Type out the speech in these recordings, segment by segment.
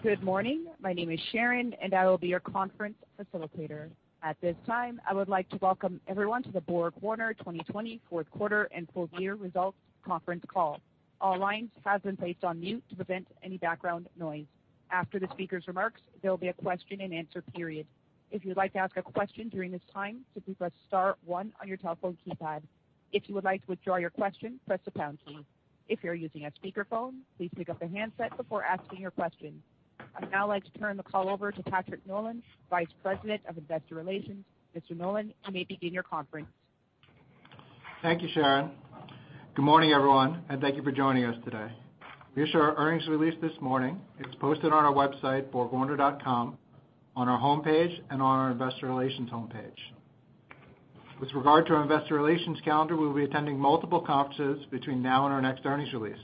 Good morning. My name is Sharon, and I will be your conference facilitator. At this time, I would like to welcome everyone to the BorgWarner 2020 Fourth Quarter and Full Year Results Conference Call. All lines have been placed on mute to prevent any background noise. After the speaker's remarks, there will be a question-and-answer period. If you would like to ask a question during this time, simply press star one on your telephone keypad. If you would like to withdraw your question, press the pound key. If you're using a speakerphone, please pick up the handset before asking your question. I'd now like to turn the call over to Patrick Nolan, Vice President of Investor Relations. Mr. Nolan, you may begin your conference. Thank you, Sharon. Good morning, everyone, and thank you for joining us today. We issued our earnings release this morning. It's posted on our website, BorgWarner.com, on our homepage, and on our Investor Relations homepage. With regard to our Investor Relations calendar, we will be attending multiple conferences between now and our next earnings release.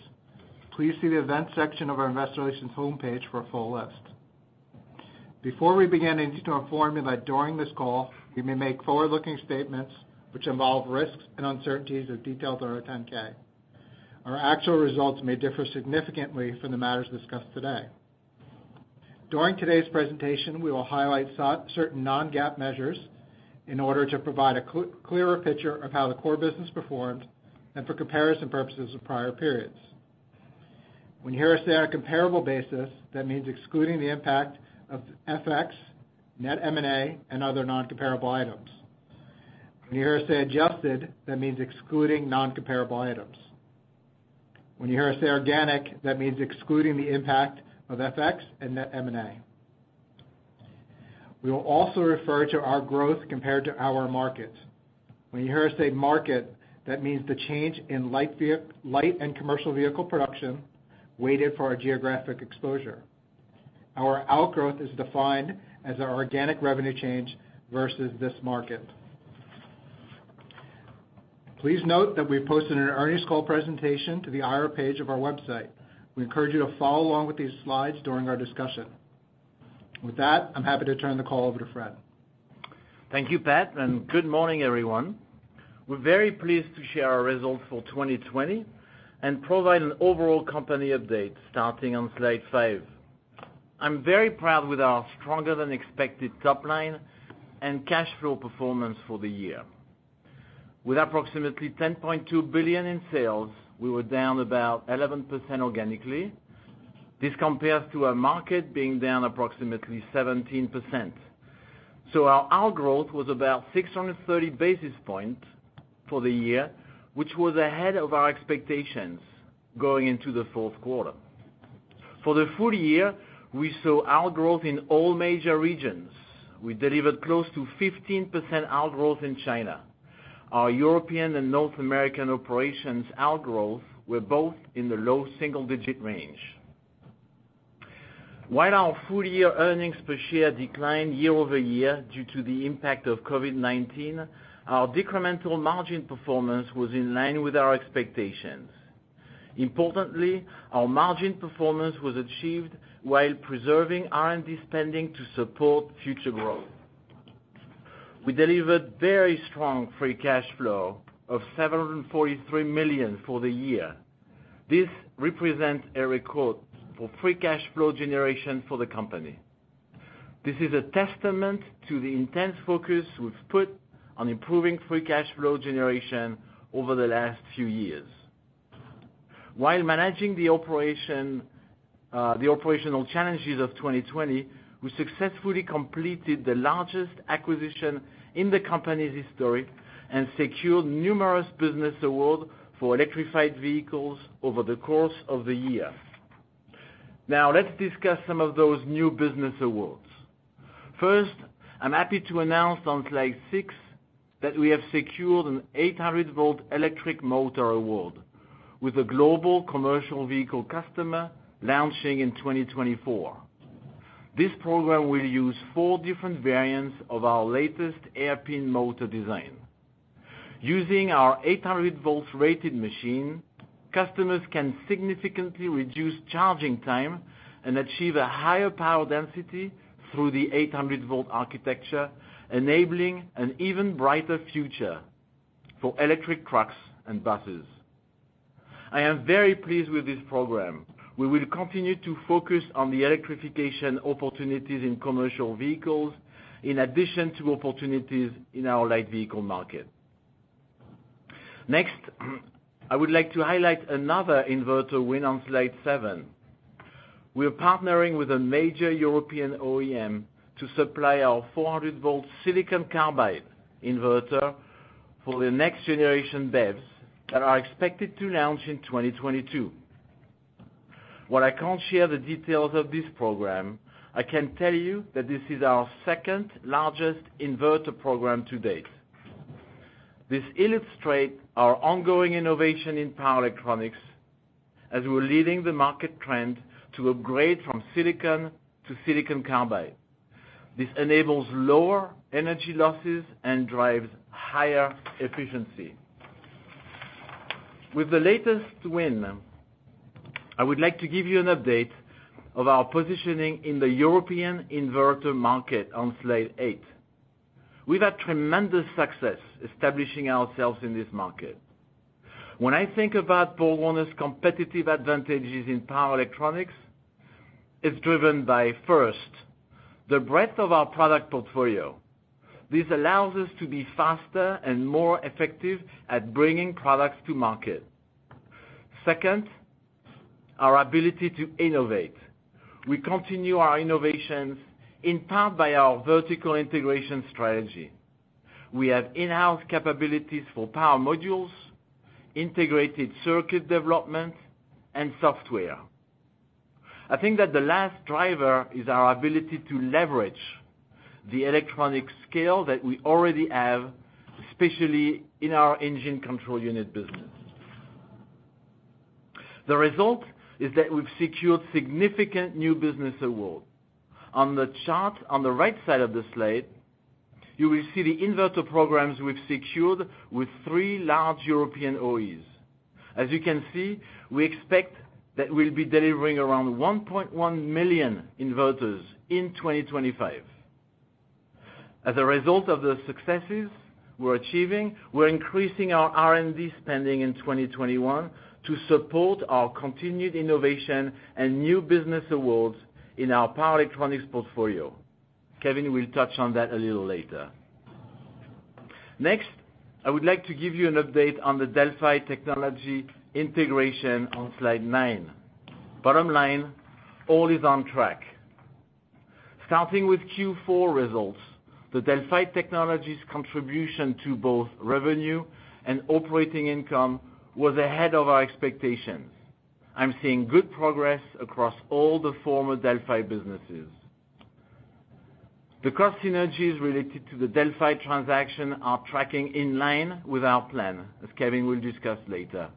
Please see the events section of our Investor Relations homepage for a full list. Before we begin, I need to inform you that during this call, we may make forward-looking statements which involve risks and uncertainties as detailed in our 10-K. Our actual results may differ significantly from the matters discussed today. During today's presentation, we will highlight certain non-GAAP measures in order to provide a clearer picture of how the core business performed and for comparison purposes of prior periods. When you hear us say on a comparable basis, that means excluding the impact of FX, net M&A, and other non-comparable items. When you hear us say adjusted, that means excluding non-comparable items. When you hear us say organic, that means excluding the impact of FX and net M&A. We will also refer to our growth compared to our market. When you hear us say market, that means the change in light and commercial vehicle production weighted for our geographic exposure. Our outgrowth is defined as our organic revenue change versus this market. Please note that we posted an earnings call presentation to the IR page of our website. We encourage you to follow along with these slides during our discussion. With that, I'm happy to turn the call over to Fréd. Thank you, Pat, and good morning, everyone. We're very pleased to share our results for 2020 and provide an overall company update starting on slide five. I'm very proud with our stronger-than-expected top line and cash flow performance for the year. With approximately $10.2 billion in sales, we were down about 11% organically. This compares to our market being down approximately 17%. So our outgrowth was about 630 basis points for the year, which was ahead of our expectations going into the fourth quarter. For the full year, we saw outgrowth in all major regions. We delivered close to 15% outgrowth in China. Our European and North American operations outgrowth were both in the low single-digit range. While our full-year earnings per share declined year over year due to the impact of COVID-19, our decremental margin performance was in line with our expectations. Importantly, our margin performance was achieved while preserving R&D spending to support future growth. We delivered very strong free cash flow of $743 million for the year. This represents a record for free cash flow generation for the company. This is a testament to the intense focus we've put on improving free cash flow generation over the last few years. While managing the operational challenges of 2020, we successfully completed the largest acquisition in the company's history and secured numerous business awards for electrified vehicles over the course of the year. Now, let's discuss some of those new business awards. First, I'm happy to announce on slide six that we have secured an 800-volt electric motor award with a global commercial vehicle customer launching in 2024. This program will use four different variants of our latest hairpin motor design. Using our 800-volt rated machine, customers can significantly reduce charging time and achieve a higher power density through the 800-volt architecture, enabling an even brighter future for electric trucks and buses. I am very pleased with this program. We will continue to focus on the electrification opportunities in commercial vehicles in addition to opportunities in our light vehicle market. Next, I would like to highlight another inverter win on slide seven. We are partnering with a major European OEM to supply our 400-volt silicon carbide inverter for the next generation BEVs that are expected to launch in 2022. While I can't share the details of this program, I can tell you that this is our second-largest inverter program to date. This illustrates our ongoing innovation in power electronics as we're leading the market trend to upgrade from silicon to silicon carbide. This enables lower energy losses and drives higher efficiency. With the latest win, I would like to give you an update of our positioning in the European inverter market on slide eight. We've had tremendous success establishing ourselves in this market. When I think about BorgWarner's competitive advantages in power electronics, it's driven by, first, the breadth of our product portfolio. This allows us to be faster and more effective at bringing products to market. Second, our ability to innovate. We continue our innovations in part by our vertical integration strategy. We have in-house capabilities for power modules, integrated circuit development, and software. I think that the last driver is our ability to leverage the electronic scale that we already have, especially in our engine control unit business. The result is that we've secured significant new business awards. On the chart on the right side of the slide, you will see the inverter programs we've secured with three large European OEs. As you can see, we expect that we'll be delivering around 1.1 million inverters in 2025. As a result of the successes we're achieving, we're increasing our R&D spending in 2021 to support our continued innovation and new business awards in our power electronics portfolio. Kevin will touch on that a little later. Next, I would like to give you an update on the Delphi Technologies integration on slide nine. Bottom line, all is on track. Starting with Q4 results, the Delphi Technologies' contribution to both revenue and operating income was ahead of our expectations. I'm seeing good progress across all the former Delphi businesses. The cost synergies related to the Delphi transaction are tracking in line with our plan, as Kevin will discuss later.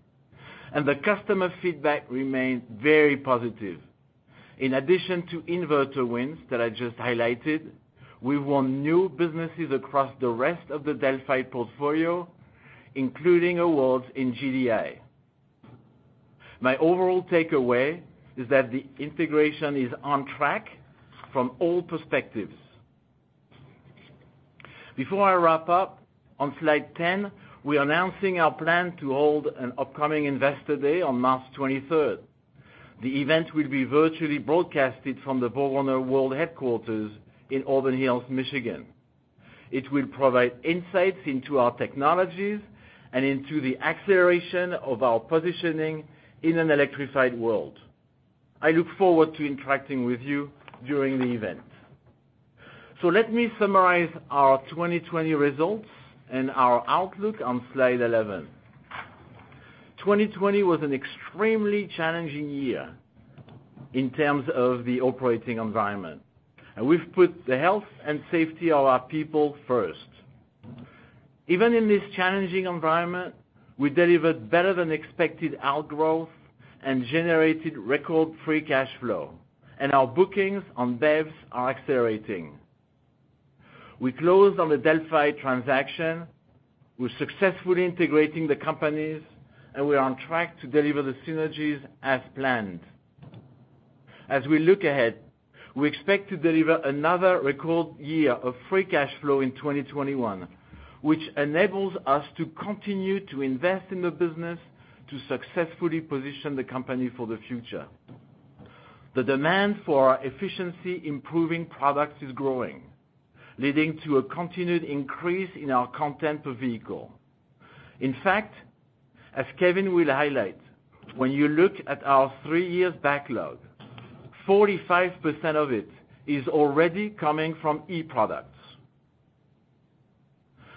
The customer feedback remained very positive. In addition to inverter wins that I just highlighted, we've won new businesses across the rest of the Delphi portfolio, including awards in GDI. My overall takeaway is that the integration is on track from all perspectives. Before I wrap up, on slide 10, we're announcing our plan to hold an upcoming Investor Day on March 23rd. The event will be virtually broadcasted from the BorgWarner World Headquarters in Auburn Hills, Michigan. It will provide insights into our technologies and into the acceleration of our positioning in an electrified world. I look forward to interacting with you during the event. Let me summarize our 2020 results and our outlook on slide 11. 2020 was an extremely challenging year in terms of the operating environment, and we've put the health and safety of our people first. Even in this challenging environment, we delivered better-than-expected outgrowth and generated record free cash flow, and our bookings on BEVs are accelerating. We closed on the Delphi transaction with successfully integrating the companies, and we're on track to deliver the synergies as planned. As we look ahead, we expect to deliver another record year of free cash flow in 2021, which enables us to continue to invest in the business to successfully position the company for the future. The demand for efficiency-improving products is growing, leading to a continued increase in our content per vehicle. In fact, as Kevin will highlight, when you look at our three-year backlog, 45% of it is already coming from e-products.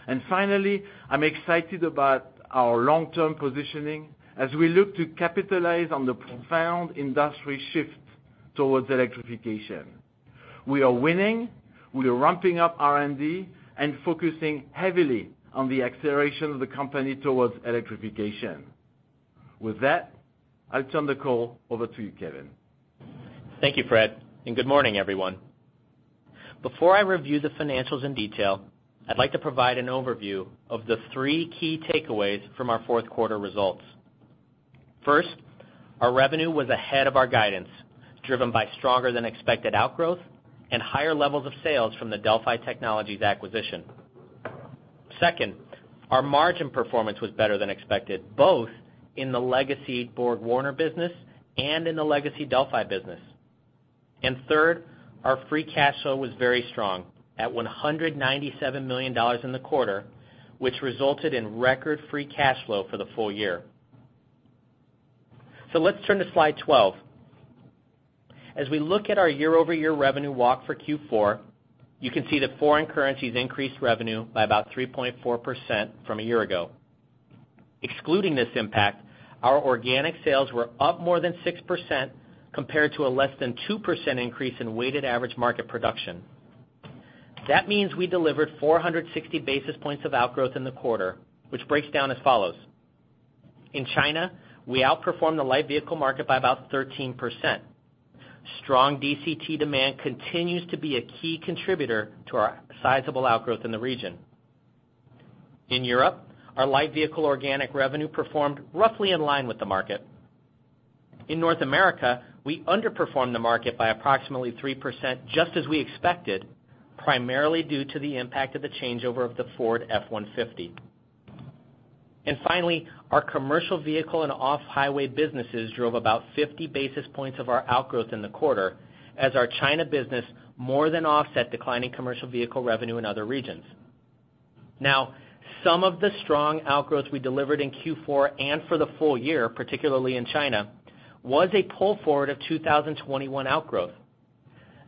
And finally, I'm excited about our long-term positioning as we look to capitalize on the profound industry shift towards electrification. We are winning. We are ramping up R&D and focusing heavily on the acceleration of the company towards electrification. With that, I'll turn the call over to you, Kevin. Thank you, Fréd, and good morning, everyone. Before I review the financials in detail, I'd like to provide an overview of the three key takeaways from our fourth quarter results. First, our revenue was ahead of our guidance, driven by stronger-than-expected outgrowth and higher levels of sales from the Delphi Technologies acquisition. Second, our margin performance was better than expected, both in the legacy BorgWarner business and in the legacy Delphi business. And third, our free cash flow was very strong at $197 million in the quarter, which resulted in record free cash flow for the full year. So let's turn to slide 12. As we look at our year-over-year revenue walk for Q4, you can see that foreign currencies increased revenue by about 3.4% from a year ago. Excluding this impact, our organic sales were up more than 6% compared to a less than 2% increase in weighted average market production. That means we delivered 460 basis points of outgrowth in the quarter, which breaks down as follows. In China, we outperformed the light vehicle market by about 13%. Strong DCT demand continues to be a key contributor to our sizable outgrowth in the region. In Europe, our light vehicle organic revenue performed roughly in line with the market. In North America, we underperformed the market by approximately 3%, just as we expected, primarily due to the impact of the changeover of the Ford F-150. And finally, our commercial vehicle and off-highway businesses drove about 50 basis points of our outgrowth in the quarter, as our China business more than offset declining commercial vehicle revenue in other regions. Now, some of the strong outgrowth we delivered in Q4 and for the full year, particularly in China, was a pull forward of 2021 outgrowth.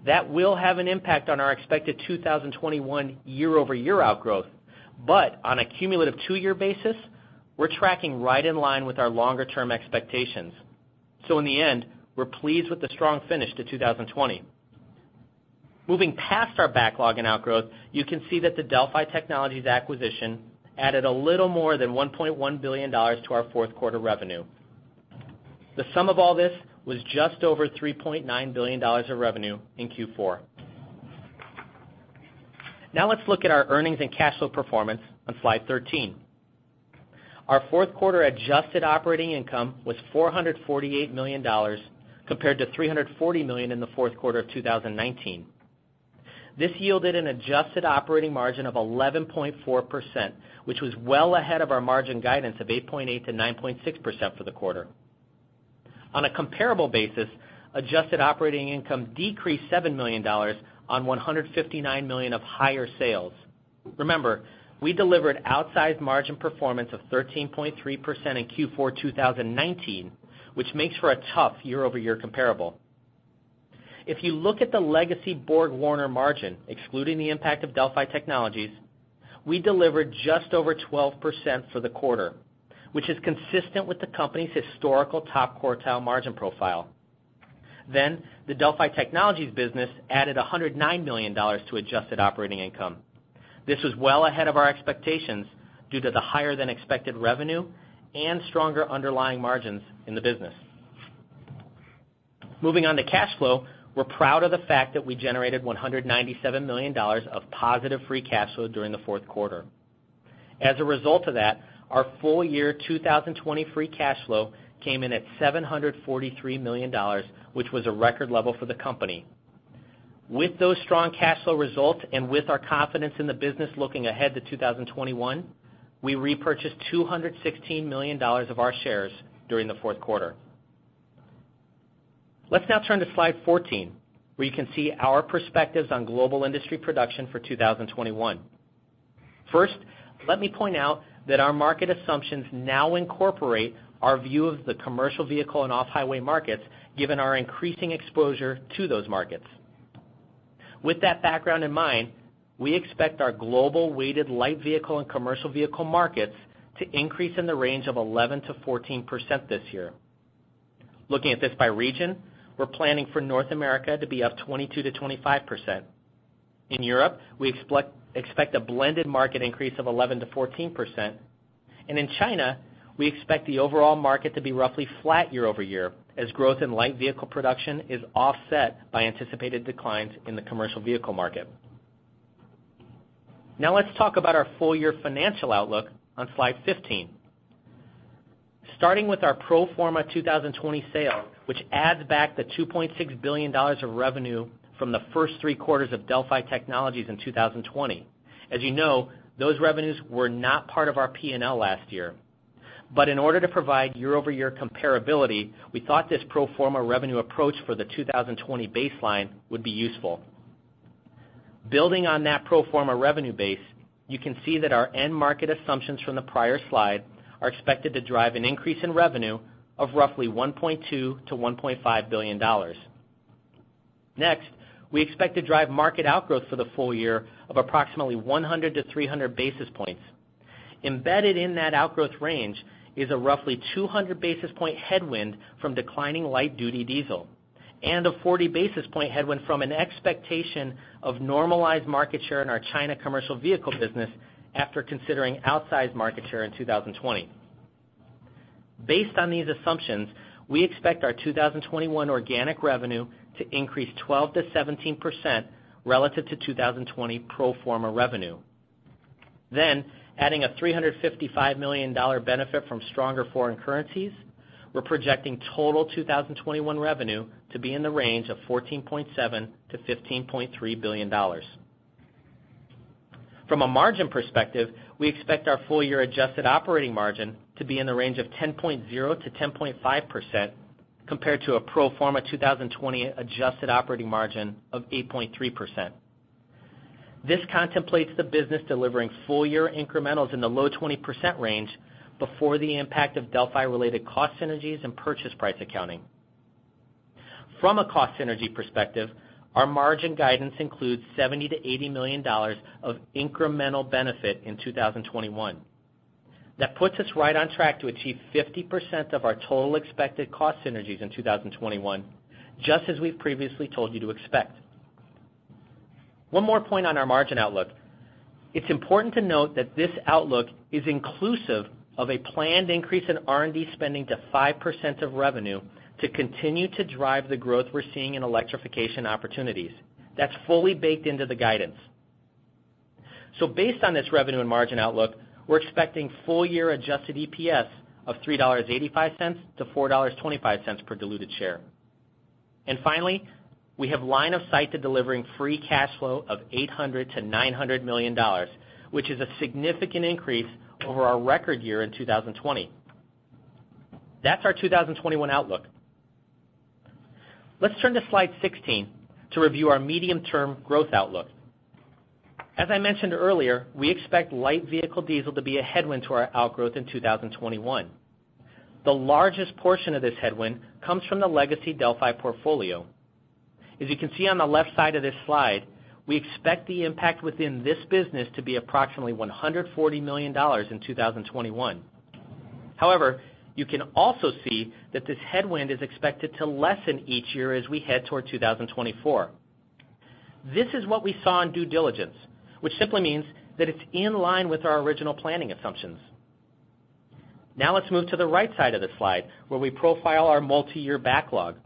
That will have an impact on our expected 2021 year-over-year outgrowth, but on a cumulative two-year basis, we're tracking right in line with our longer-term expectations. So in the end, we're pleased with the strong finish to 2020. Moving past our backlog and outgrowth, you can see that the Delphi Technologies acquisition added a little more than $1.1 billion to our fourth quarter revenue. The sum of all this was just over $3.9 billion of revenue in Q4. Now let's look at our earnings and cash flow performance on slide 13. Our fourth quarter adjusted operating income was $448 million compared to $340 million in the fourth quarter of 2019. This yielded an adjusted operating margin of 11.4%, which was well ahead of our margin guidance of 8.8%-9.6% for the quarter. On a comparable basis, adjusted operating income decreased $7 million on $159 million of higher sales. Remember, we delivered outsized margin performance of 13.3% in Q4 2019, which makes for a tough year-over-year comparable. If you look at the legacy BorgWarner margin, excluding the impact of Delphi Technologies, we delivered just over 12% for the quarter, which is consistent with the company's historical top quartile margin profile. Then, the Delphi Technologies business added $109 million to adjusted operating income. This was well ahead of our expectations due to the higher-than-expected revenue and stronger underlying margins in the business. Moving on to cash flow, we're proud of the fact that we generated $197 million of positive free cash flow during the fourth quarter. As a result of that, our full year 2020 free cash flow came in at $743 million, which was a record level for the company. With those strong cash flow results and with our confidence in the business looking ahead to 2021, we repurchased $216 million of our shares during the fourth quarter. Let's now turn to slide 14, where you can see our perspectives on global industry production for 2021. First, let me point out that our market assumptions now incorporate our view of the commercial vehicle and off-highway markets, given our increasing exposure to those markets. With that background in mind, we expect our global weighted light vehicle and commercial vehicle markets to increase in the range of 11%-14% this year. Looking at this by region, we're planning for North America to be up 22%-25%. In Europe, we expect a blended market increase of 11%-14%, and in China, we expect the overall market to be roughly flat year-over-year, as growth in light vehicle production is offset by anticipated declines in the commercial vehicle market. Now let's talk about our full-year financial outlook on slide 15. Starting with our pro forma 2020 sales, which adds back the $2.6 billion of revenue from the first three quarters of Delphi Technologies in 2020. As you know, those revenues were not part of our P&L last year. But in order to provide year-over-year comparability, we thought this pro forma revenue approach for the 2020 baseline would be useful. Building on that pro forma revenue base, you can see that our end market assumptions from the prior slide are expected to drive an increase in revenue of roughly $1.2-$1.5 billion. Next, we expect to drive market outgrowth for the full year of approximately 100-300 basis points. Embedded in that outgrowth range is a roughly 200 basis point headwind from declining light-duty diesel and a 40 basis point headwind from an expectation of normalized market share in our China commercial vehicle business after considering outsized market share in 2020. Based on these assumptions, we expect our 2021 organic revenue to increase 12%-17% relative to 2020 pro forma revenue. Then, adding a $355 million benefit from stronger foreign currencies, we're projecting total 2021 revenue to be in the range of $14.7-$15.3 billion. From a margin perspective, we expect our full-year adjusted operating margin to be in the range of 10.0%-10.5% compared to a pro forma 2020 adjusted operating margin of 8.3%. This contemplates the business delivering full-year incrementals in the low 20% range before the impact of Delphi-related cost synergies and purchase price accounting. From a cost synergy perspective, our margin guidance includes $70-$80 million of incremental benefit in 2021. That puts us right on track to achieve 50% of our total expected cost synergies in 2021, just as we've previously told you to expect. One more point on our margin outlook. It's important to note that this outlook is inclusive of a planned increase in R&D spending to 5% of revenue to continue to drive the growth we're seeing in electrification opportunities. That's fully baked into the guidance. So based on this revenue and margin outlook, we're expecting full-year adjusted EPS of $3.85-$4.25 per diluted share. Finally, we have line of sight to delivering free cash flow of $800-$900 million, which is a significant increase over our record year in 2020. That's our 2021 outlook. Let's turn to slide 16 to review our medium-term growth outlook. As I mentioned earlier, we expect light vehicle diesel to be a headwind to our outgrowth in 2021. The largest portion of this headwind comes from the legacy Delphi portfolio. As you can see on the left side of this slide, we expect the impact within this business to be approximately $140 million in 2021. However, you can also see that this headwind is expected to lessen each year as we head toward 2024. This is what we saw in due diligence, which simply means that it's in line with our original planning assumptions. Now let's move to the right side of the slide, where we profile our multi-year backlog.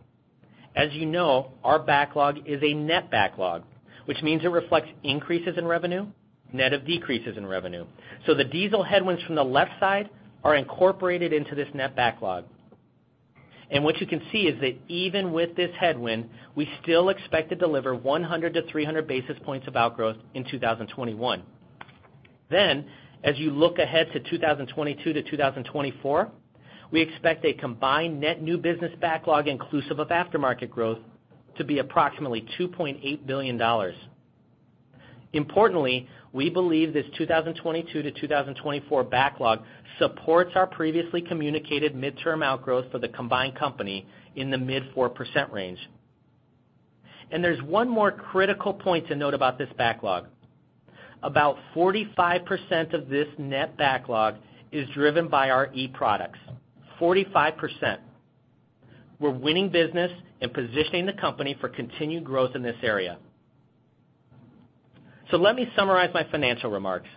As you know, our backlog is a net backlog, which means it reflects increases in revenue, net of decreases in revenue. So the diesel headwinds from the left side are incorporated into this net backlog. And what you can see is that even with this headwind, we still expect to deliver 100-300 basis points of outgrowth in 2021. Then, as you look ahead to 2022-2024, we expect a combined net new business backlog inclusive of aftermarket growth to be approximately $2.8 billion. Importantly, we believe this 2022-2024 backlog supports our previously communicated midterm outgrowth for the combined company in the mid 4% range. And there's one more critical point to note about this backlog. About 45% of this net backlog is driven by our e-products. 45%. We're winning business and positioning the company for continued growth in this area. So let me summarize my financial remarks.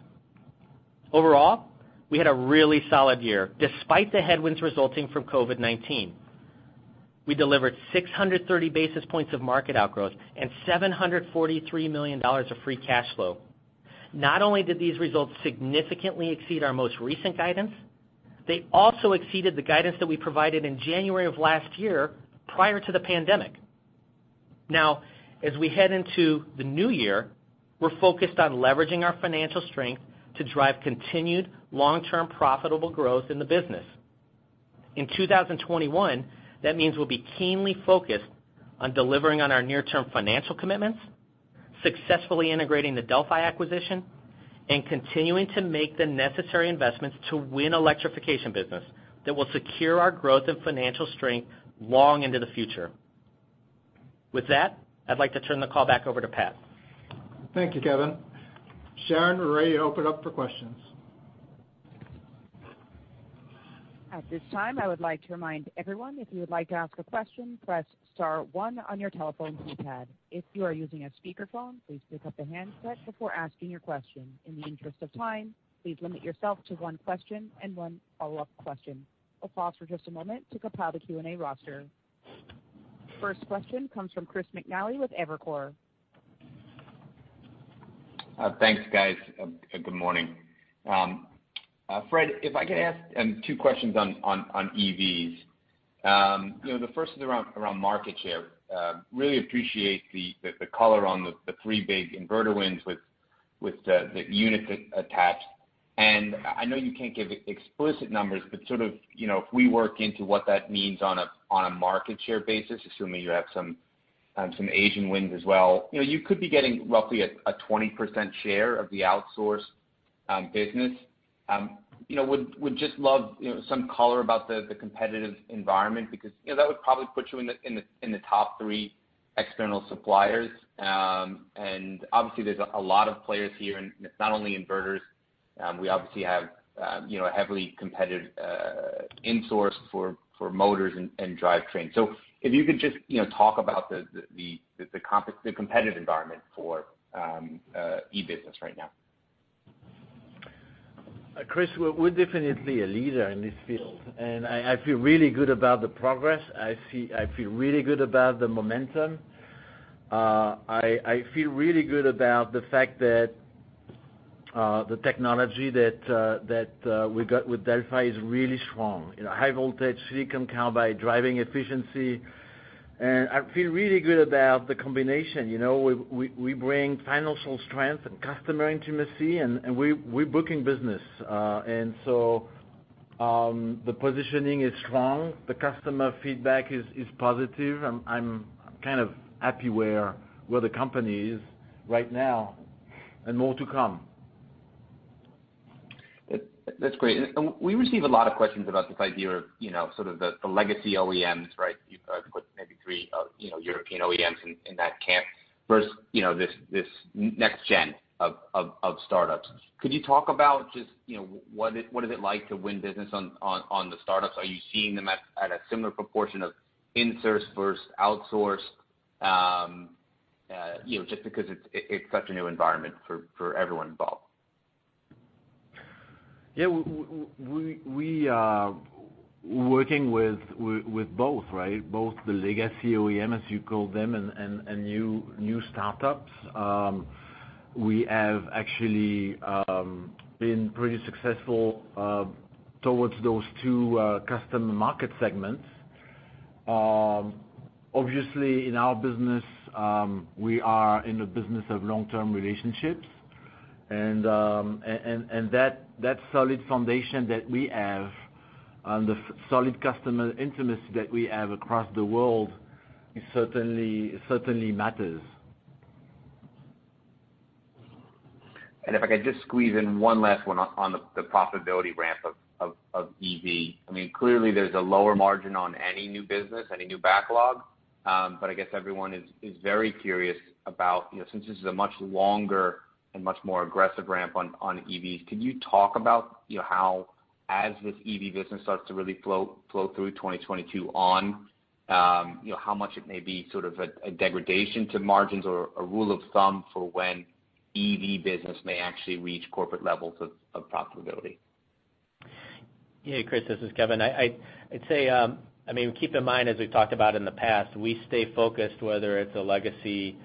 Overall, we had a really solid year, despite the headwinds resulting from COVID-19. We delivered 630 basis points of market outgrowth and $743 million of free cash flow. Not only did these results significantly exceed our most recent guidance, they also exceeded the guidance that we provided in January of last year prior to the pandemic. Now, as we head into the new year, we're focused on leveraging our financial strength to drive continued long-term profitable growth in the business. In 2021, that means we'll be keenly focused on delivering on our near-term financial commitments, successfully integrating the Delphi acquisition, and continuing to make the necessary investments to win electrification business that will secure our growth and financial strength long into the future. With that, I'd like to turn the call back over to Pat. Thank you, Kevin. Sharon, we're ready to open up for questions. At this time, I would like to remind everyone, if you would like to ask a question, press star one on your telephone keypad. If you are using a speakerphone, please pick up the handset before asking your question. In the interest of time, please limit yourself to one question and one follow-up question. We'll pause for just a moment to compile the Q&A roster. First question comes from Chris McNally with Evercore. Thanks, guys. Good morning. Fréd, if I could ask two questions on EVs. The first is around market share. Really appreciate the color on the three big inverter wins with the units attached. I know you can't give explicit numbers, but sort of if we work into what that means on a market share basis, assuming you have some Asian wins as well, you could be getting roughly a 20% share of the outsourced business. Would just love some color about the competitive environment because that would probably put you in the top three external suppliers. Obviously, there's a lot of players here, and it's not only inverters. We obviously have a heavily competitive insource for motors and drivetrain. If you could just talk about the competitive environment for e-products right now. Chris, we're definitely a leader in this field. I feel really good about the progress. I feel really good about the momentum. I feel really good about the fact that the technology that we got with Delphi is really strong. High-voltage silicon carbide driving efficiency. And I feel really good about the combination. We bring financial strength and customer intimacy, and we're booking business. And so the positioning is strong. The customer feedback is positive. I'm kind of happy where the company is right now and more to come. That's great. And we receive a lot of questions about this idea of sort of the legacy OEMs, right? You've put maybe three European OEMs in that camp versus this next gen of startups. Could you talk about just what is it like to win business on the startups? Are you seeing them at a similar proportion of insource versus outsourced just because it's such a new environment for everyone involved? Yeah. We're working with both, right? Both the legacy OEM, as you call them, and new startups. We have actually been pretty successful towards those two customer market segments. Obviously, in our business, we are in the business of long-term relationships. And that solid foundation that we have and the solid customer intimacy that we have across the world certainly matters. And if I could just squeeze in one last one on the profitability ramp of EV. I mean, clearly, there's a lower margin on any new business, any new backlog. But I guess everyone is very curious about, since this is a much longer and much more aggressive ramp on EVs, could you talk about how, as this EV business starts to really flow through 2022, on how much it may be sort of a degradation to margins or a rule of thumb for when EV business may actually reach corporate levels of profitability? Yeah, Chris, this is Kevin. I'd say, I mean, keep in mind, as we've talked about in the past, we stay focused, whether it's a legacy,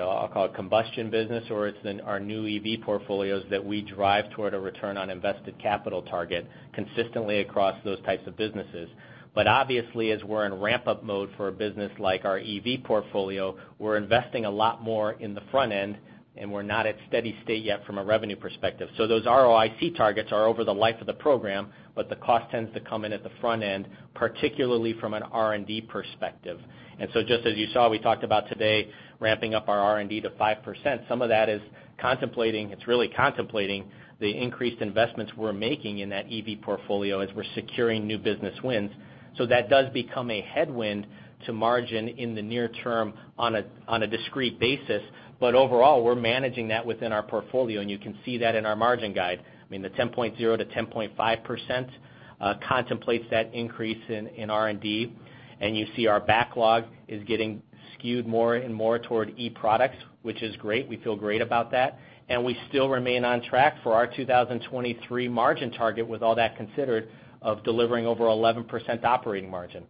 I'll call it combustion business, or it's our new EV portfolios that we drive toward a return on invested capital target consistently across those types of businesses. But obviously, as we're in ramp-up mode for a business like our EV portfolio, we're investing a lot more in the front end, and we're not at steady state yet from a revenue perspective. So those ROIC targets are over the life of the program, but the cost tends to come in at the front end, particularly from an R&D perspective. And so just as you saw, we talked about today ramping up our R&D to 5%. Some of that is contemplating. It's really contemplating the increased investments we're making in that EV portfolio as we're securing new business wins. So that does become a headwind to margin in the near term on a discrete basis. But overall, we're managing that within our portfolio, and you can see that in our margin guide. I mean, the 10.0%-10.5% contemplates that increase in R&D. And you see our backlog is getting skewed more and more toward e-products, which is great. We feel great about that. And we still remain on track for our 2023 margin target, with all that considered, of delivering over 11% operating margin.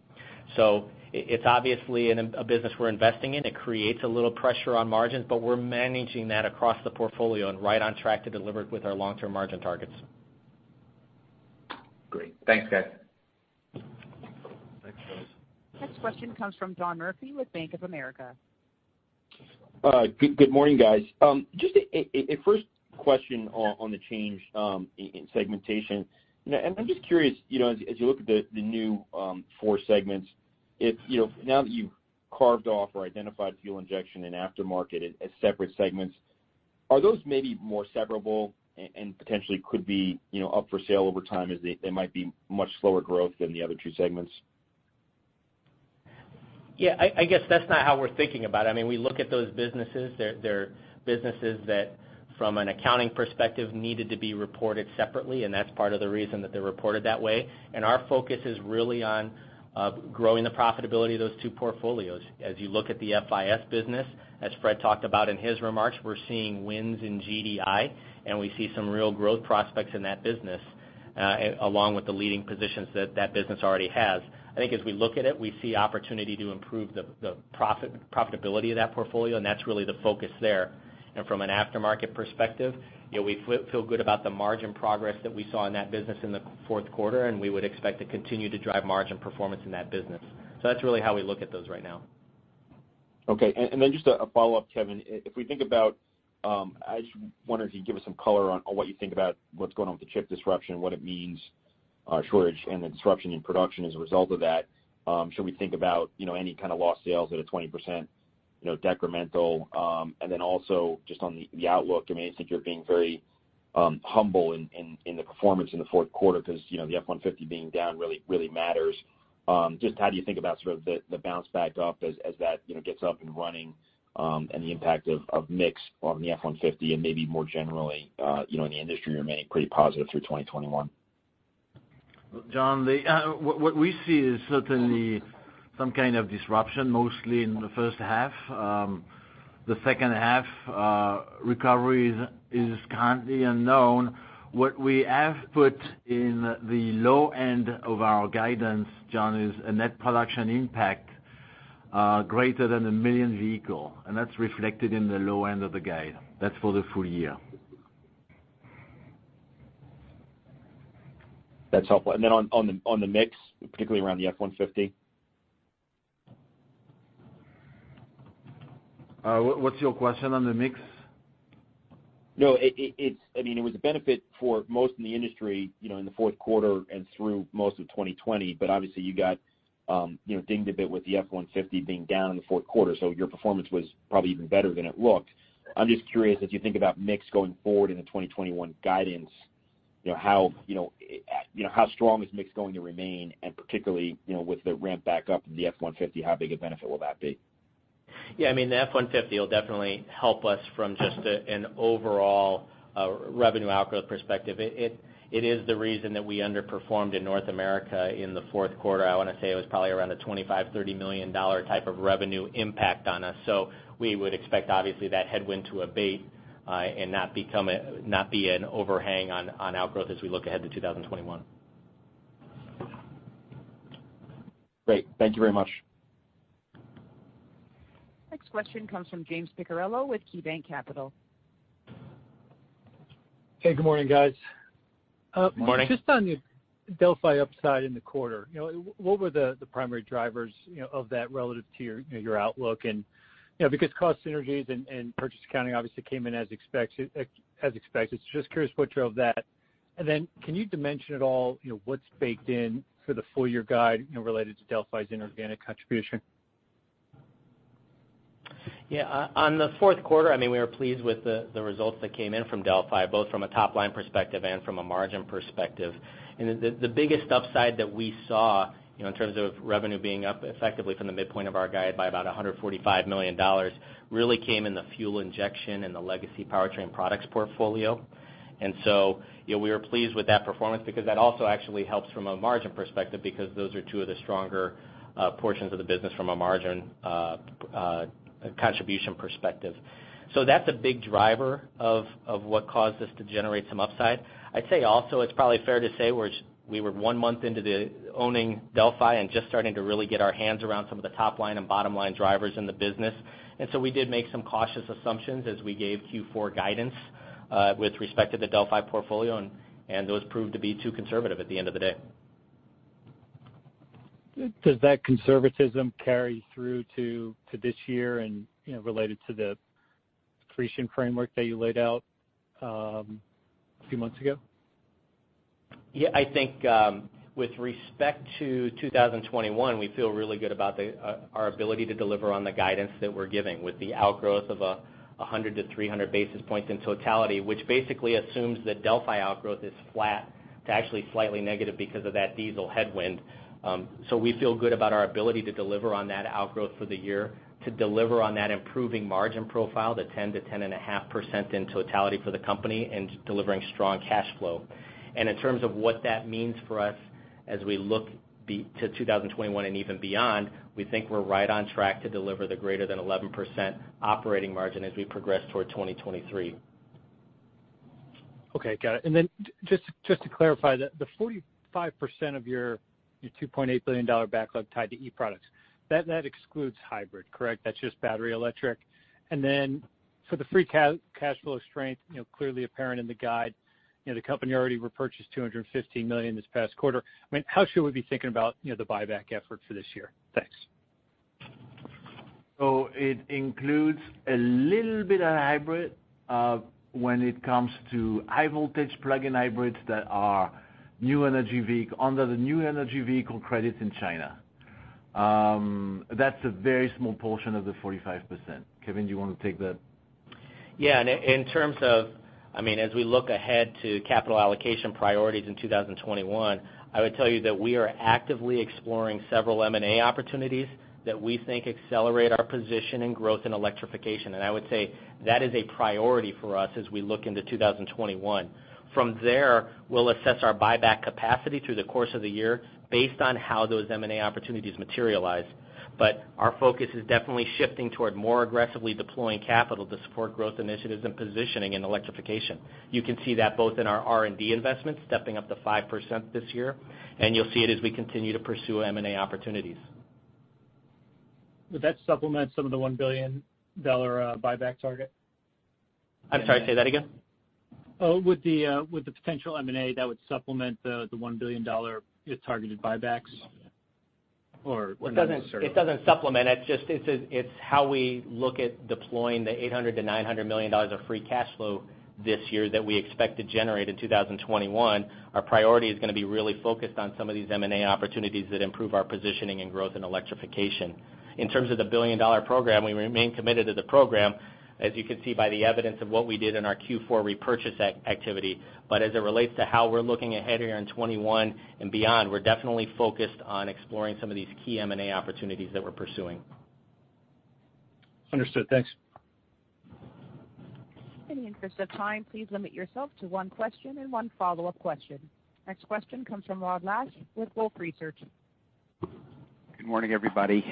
So it's obviously a business we're investing in. It creates a little pressure on margins, but we're managing that across the portfolio and right on track to deliver it with our long-term margin targets. Great. Thanks, guys. Next question comes from John Murphy with Bank of America. Good morning, guys. Just a first question on the change in segmentation. I'm just curious, as you look at the new four segments, now that you've carved off or identified fuel injection and aftermarket as separate segments, are those maybe more separable and potentially could be up for sale over time as they might be much slower growth than the other two segments? Yeah. I guess that's not how we're thinking about it. I mean, we look at those businesses. They're businesses that, from an accounting perspective, needed to be reported separately, and that's part of the reason that they're reported that way. Our focus is really on growing the profitability of those two portfolios. As you look at the FIS business, as Fred talked about in his remarks, we're seeing wins in GDI, and we see some real growth prospects in that business along with the leading positions that that business already has. I think as we look at it, we see opportunity to improve the profitability of that portfolio, and that's really the focus there. And from an aftermarket perspective, we feel good about the margin progress that we saw in that business in the fourth quarter, and we would expect to continue to drive margin performance in that business. So that's really how we look at those right now. Okay. And then just a follow-up, Kevin. If we think about, I just wanted to give us some color on what you think about what's going on with the chip disruption, what it means, shortage, and the disruption in production as a result of that. Should we think about any kind of lost sales at a 20% decremental? Then also just on the outlook, I mean, I think you're being very humble in the performance in the fourth quarter because the F-150 being down really matters. Just how do you think about sort of the bounce back up as that gets up and running and the impact of mix on the F-150 and maybe more generally in the industry remaining pretty positive through 2021? John, what we see is certainly some kind of disruption, mostly in the first half. The second half recovery is currently unknown. What we have put in the low end of our guidance, John, is a net production impact greater than a million vehicles. That's reflected in the low end of the guide. That's for the full year. That's helpful. Then on the mix, particularly around the F-150? What's your question on the mix? No. I mean, it was a benefit for most in the industry in the fourth quarter and through most of 2020. But obviously, you got dinged a bit with the F-150 being down in the fourth quarter. So your performance was probably even better than it looked. I'm just curious, as you think about mix going forward in the 2021 guidance, how strong is mix going to remain, and particularly with the ramp back up in the F-150, how big a benefit will that be? Yeah. I mean, the F-150 will definitely help us from just an overall revenue outgrowth perspective. It is the reason that we underperformed in North America in the fourth quarter. I want to say it was probably around a $25-$30 million type of revenue impact on us. So we would expect, obviously, that headwind to abate and not be an overhang on outgrowth as we look ahead to 2021. Great. Thank you very much. Next question comes from James Picariello with KeyBanc Capital. Hey, good morning, guys. Good morning. Just on the Delphi upside in the quarter, what were the primary drivers of that relative to your outlook? And because cost synergies and purchase accounting obviously came in as expected, just curious what drove that. And then can you dimension at all what's baked in for the full year guide related to Delphi's inorganic contribution? Yeah. On the fourth quarter, I mean, we were pleased with the results that came in from Delphi, both from a top-line perspective and from a margin perspective. And the biggest upside that we saw in terms of revenue being up effectively from the midpoint of our guide by about $145 million really came in the fuel injection and the legacy powertrain products portfolio. And so we were pleased with that performance because that also actually helps from a margin perspective because those are two of the stronger portions of the business from a margin contribution perspective. So that's a big driver of what caused us to generate some upside. I'd say also it's probably fair to say we were one month into owning Delphi and just starting to really get our hands around some of the top-line and bottom-line drivers in the business. And so we did make some cautious assumptions as we gave Q4 guidance with respect to the Delphi portfolio, and those proved to be too conservative at the end of the day. Does that conservatism carry through to this year and related to the creation framework that you laid out a few months ago? Yeah. I think with respect to 2021, we feel really good about our ability to deliver on the guidance that we're giving with the outgrowth of 100-300 basis points in totality, which basically assumes that Delphi outgrowth is flat to actually slightly negative because of that diesel headwind. So we feel good about our ability to deliver on that outgrowth for the year, to deliver on that improving margin profile, the 10%-10.5% in totality for the company, and delivering strong cash flow. And in terms of what that means for us as we look to 2021 and even beyond, we think we're right on track to deliver the greater than 11% operating margin as we progress toward 2023. Okay. Got it. And then just to clarify, the 45% of your $2.8 billion backlog tied to e-products, that excludes hybrid, correct? That's just battery electric. And then for the free cash flow strength, clearly apparent in the guide, the company already repurchased $215 million this past quarter. I mean, how should we be thinking about the buyback effort for this year? Thanks. So it includes a little bit of hybrid when it comes to high-voltage plug-in hybrids that are new energy vehicle under the new energy vehicle credits in China. That's a very small portion of the 45%. Kevin, do you want to take that? Yeah. And in terms of, I mean, as we look ahead to capital allocation priorities in 2021, I would tell you that we are actively exploring several M&A opportunities that we think accelerate our position and growth in electrification. And I would say that is a priority for us as we look into 2021. From there, we'll assess our buyback capacity through the course of the year based on how those M&A opportunities materialize. But our focus is definitely shifting toward more aggressively deploying capital to support growth initiatives and positioning in electrification. You can see that both in our R&D investments stepping up to 5% this year, and you'll see it as we continue to pursue M&A opportunities. Would that supplement some of the $1 billion buyback target? I'm sorry. Say that again. With the potential M&A, that would supplement the $1 billion targeted buybacks or whatnot? It doesn't supplement. It's just how we look at deploying the $800-$900 million of free cash flow this year that we expect to generate in 2021. Our priority is going to be really focused on some of these M&A opportunities that improve our positioning and growth in electrification. In terms of the billion-dollar program, we remain committed to the program, as you can see by the evidence of what we did in our Q4 repurchase activity. But as it relates to how we're looking ahead here in 2021 and beyond, we're definitely focused on exploring some of these key M&A opportunities that we're pursuing. Understood. Thanks. In the interest of time, please limit yourself to one question and one follow-up question. Next question comes from Rod Lache with Wolfe Research. Good morning, everybody.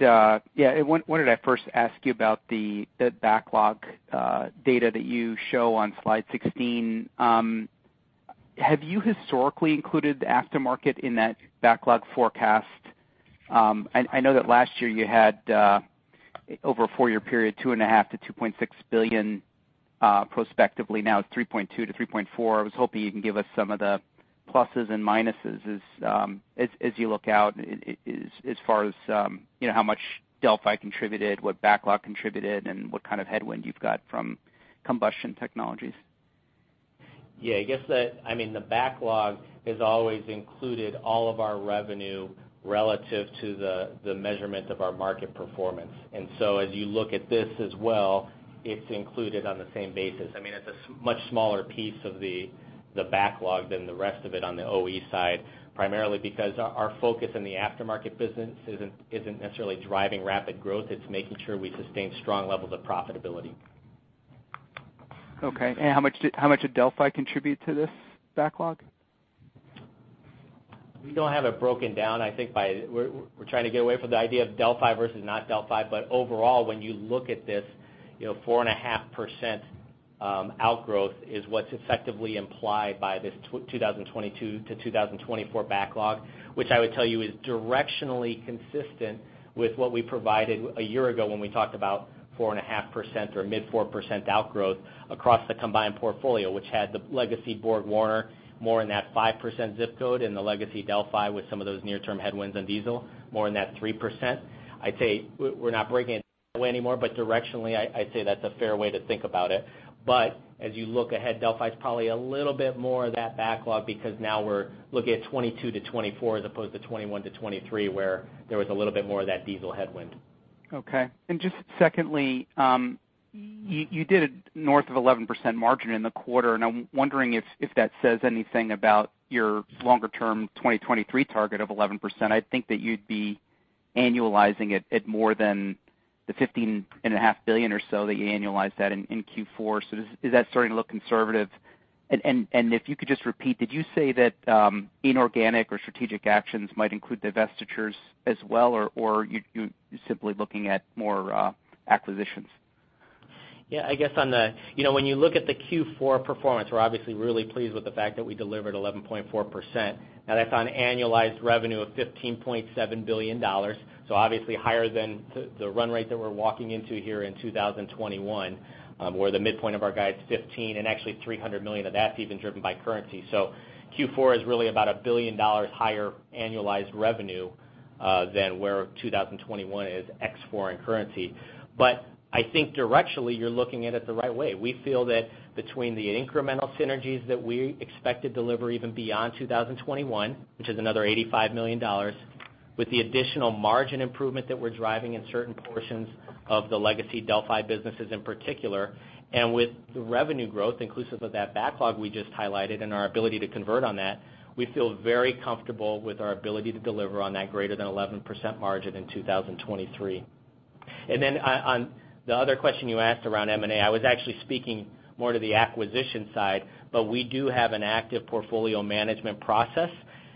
Yeah. I wanted to first ask you about the backlog data that you show on slide 16. Have you historically included the aftermarket in that backlog forecast? I know that last year you had, over a four-year period, $2.5-$2.6 billion prospectively. Now it's 3.2-3.4. I was hoping you can give us some of the pluses and minuses as you look out as far as how much Delphi contributed, what backlog contributed, and what kind of headwind you've got from combustion technologies. Yeah. I guess that, I mean, the backlog has always included all of our revenue relative to the measurement of our market performance. And so as you look at this as well, it's included on the same basis. I mean, it's a much smaller piece of the backlog than the rest of it on the OE side, primarily because our focus in the aftermarket business isn't necessarily driving rapid growth. It's making sure we sustain strong levels of profitability. Okay. And how much did Delphi contribute to this backlog? We don't have it broken down. I think we're trying to get away from the idea of Delphi versus not Delphi. But overall, when you look at this, 4.5% outgrowth is what's effectively implied by this 2022 to 2024 backlog, which I would tell you is directionally consistent with what we provided a year ago when we talked about 4.5% or mid-4% outgrowth across the combined portfolio, which had the legacy BorgWarner more in that 5% zip code and the legacy Delphi with some of those near-term headwinds on diesel more in that 3%. I'd say we're not breaking it that way anymore, but directionally, I'd say that's a fair way to think about it. But as you look ahead, Delphi is probably a little bit more of that backlog because now we're looking at 2022 to 2024 as opposed to 2021 to 2023, where there was a little bit more of that diesel headwind. Okay. Just secondly, you did a north of 11% margin in the quarter. I'm wondering if that says anything about your longer-term 2023 target of 11%. I think that you'd be annualizing it at more than the $15.5 billion or so that you annualized that in Q4. So is that starting to look conservative? If you could just repeat, did you say that inorganic or strategic actions might include divestitures as well, or you're simply looking at more acquisitions? Yeah. I guess when you look at the Q4 performance, we're obviously really pleased with the fact that we delivered 11.4%. Now that's on annualized revenue of $15.7 billion. So obviously higher than the run rate that we're walking into here in 2021, where the midpoint of our guide is $15 billion and actually $300 million of that's even driven by currency. So Q4 is really about $1 billion higher annualized revenue than where 2021 is ex-foreign currency. But I think directionally, you're looking at it the right way. We feel that between the incremental synergies that we expected deliver even beyond 2021, which is another $85 million, with the additional margin improvement that we're driving in certain portions of the legacy Delphi businesses in particular, and with the revenue growth inclusive of that backlog we just highlighted and our ability to convert on that, we feel very comfortable with our ability to deliver on that greater than 11% margin in 2023. And then on the other question you asked around M&A, I was actually speaking more to the acquisition side, but we do have an active portfolio management process.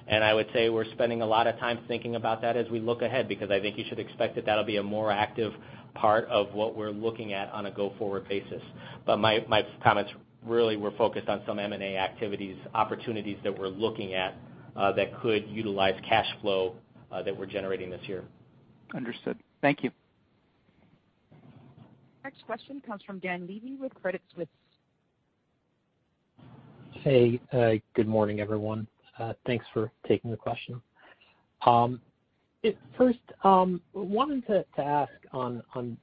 And I would say we're spending a lot of time thinking about that as we look ahead because I think you should expect that that'll be a more active part of what we're looking at on a go-forward basis. But my comments really were focused on some M&A activities, opportunities that we're looking at that could utilize cash flow that we're generating this year. Understood. Thank you. Next question comes from Dan Levy with Credit Suisse. Hey. Good morning, everyone. Thanks for taking the question. First, I wanted to ask on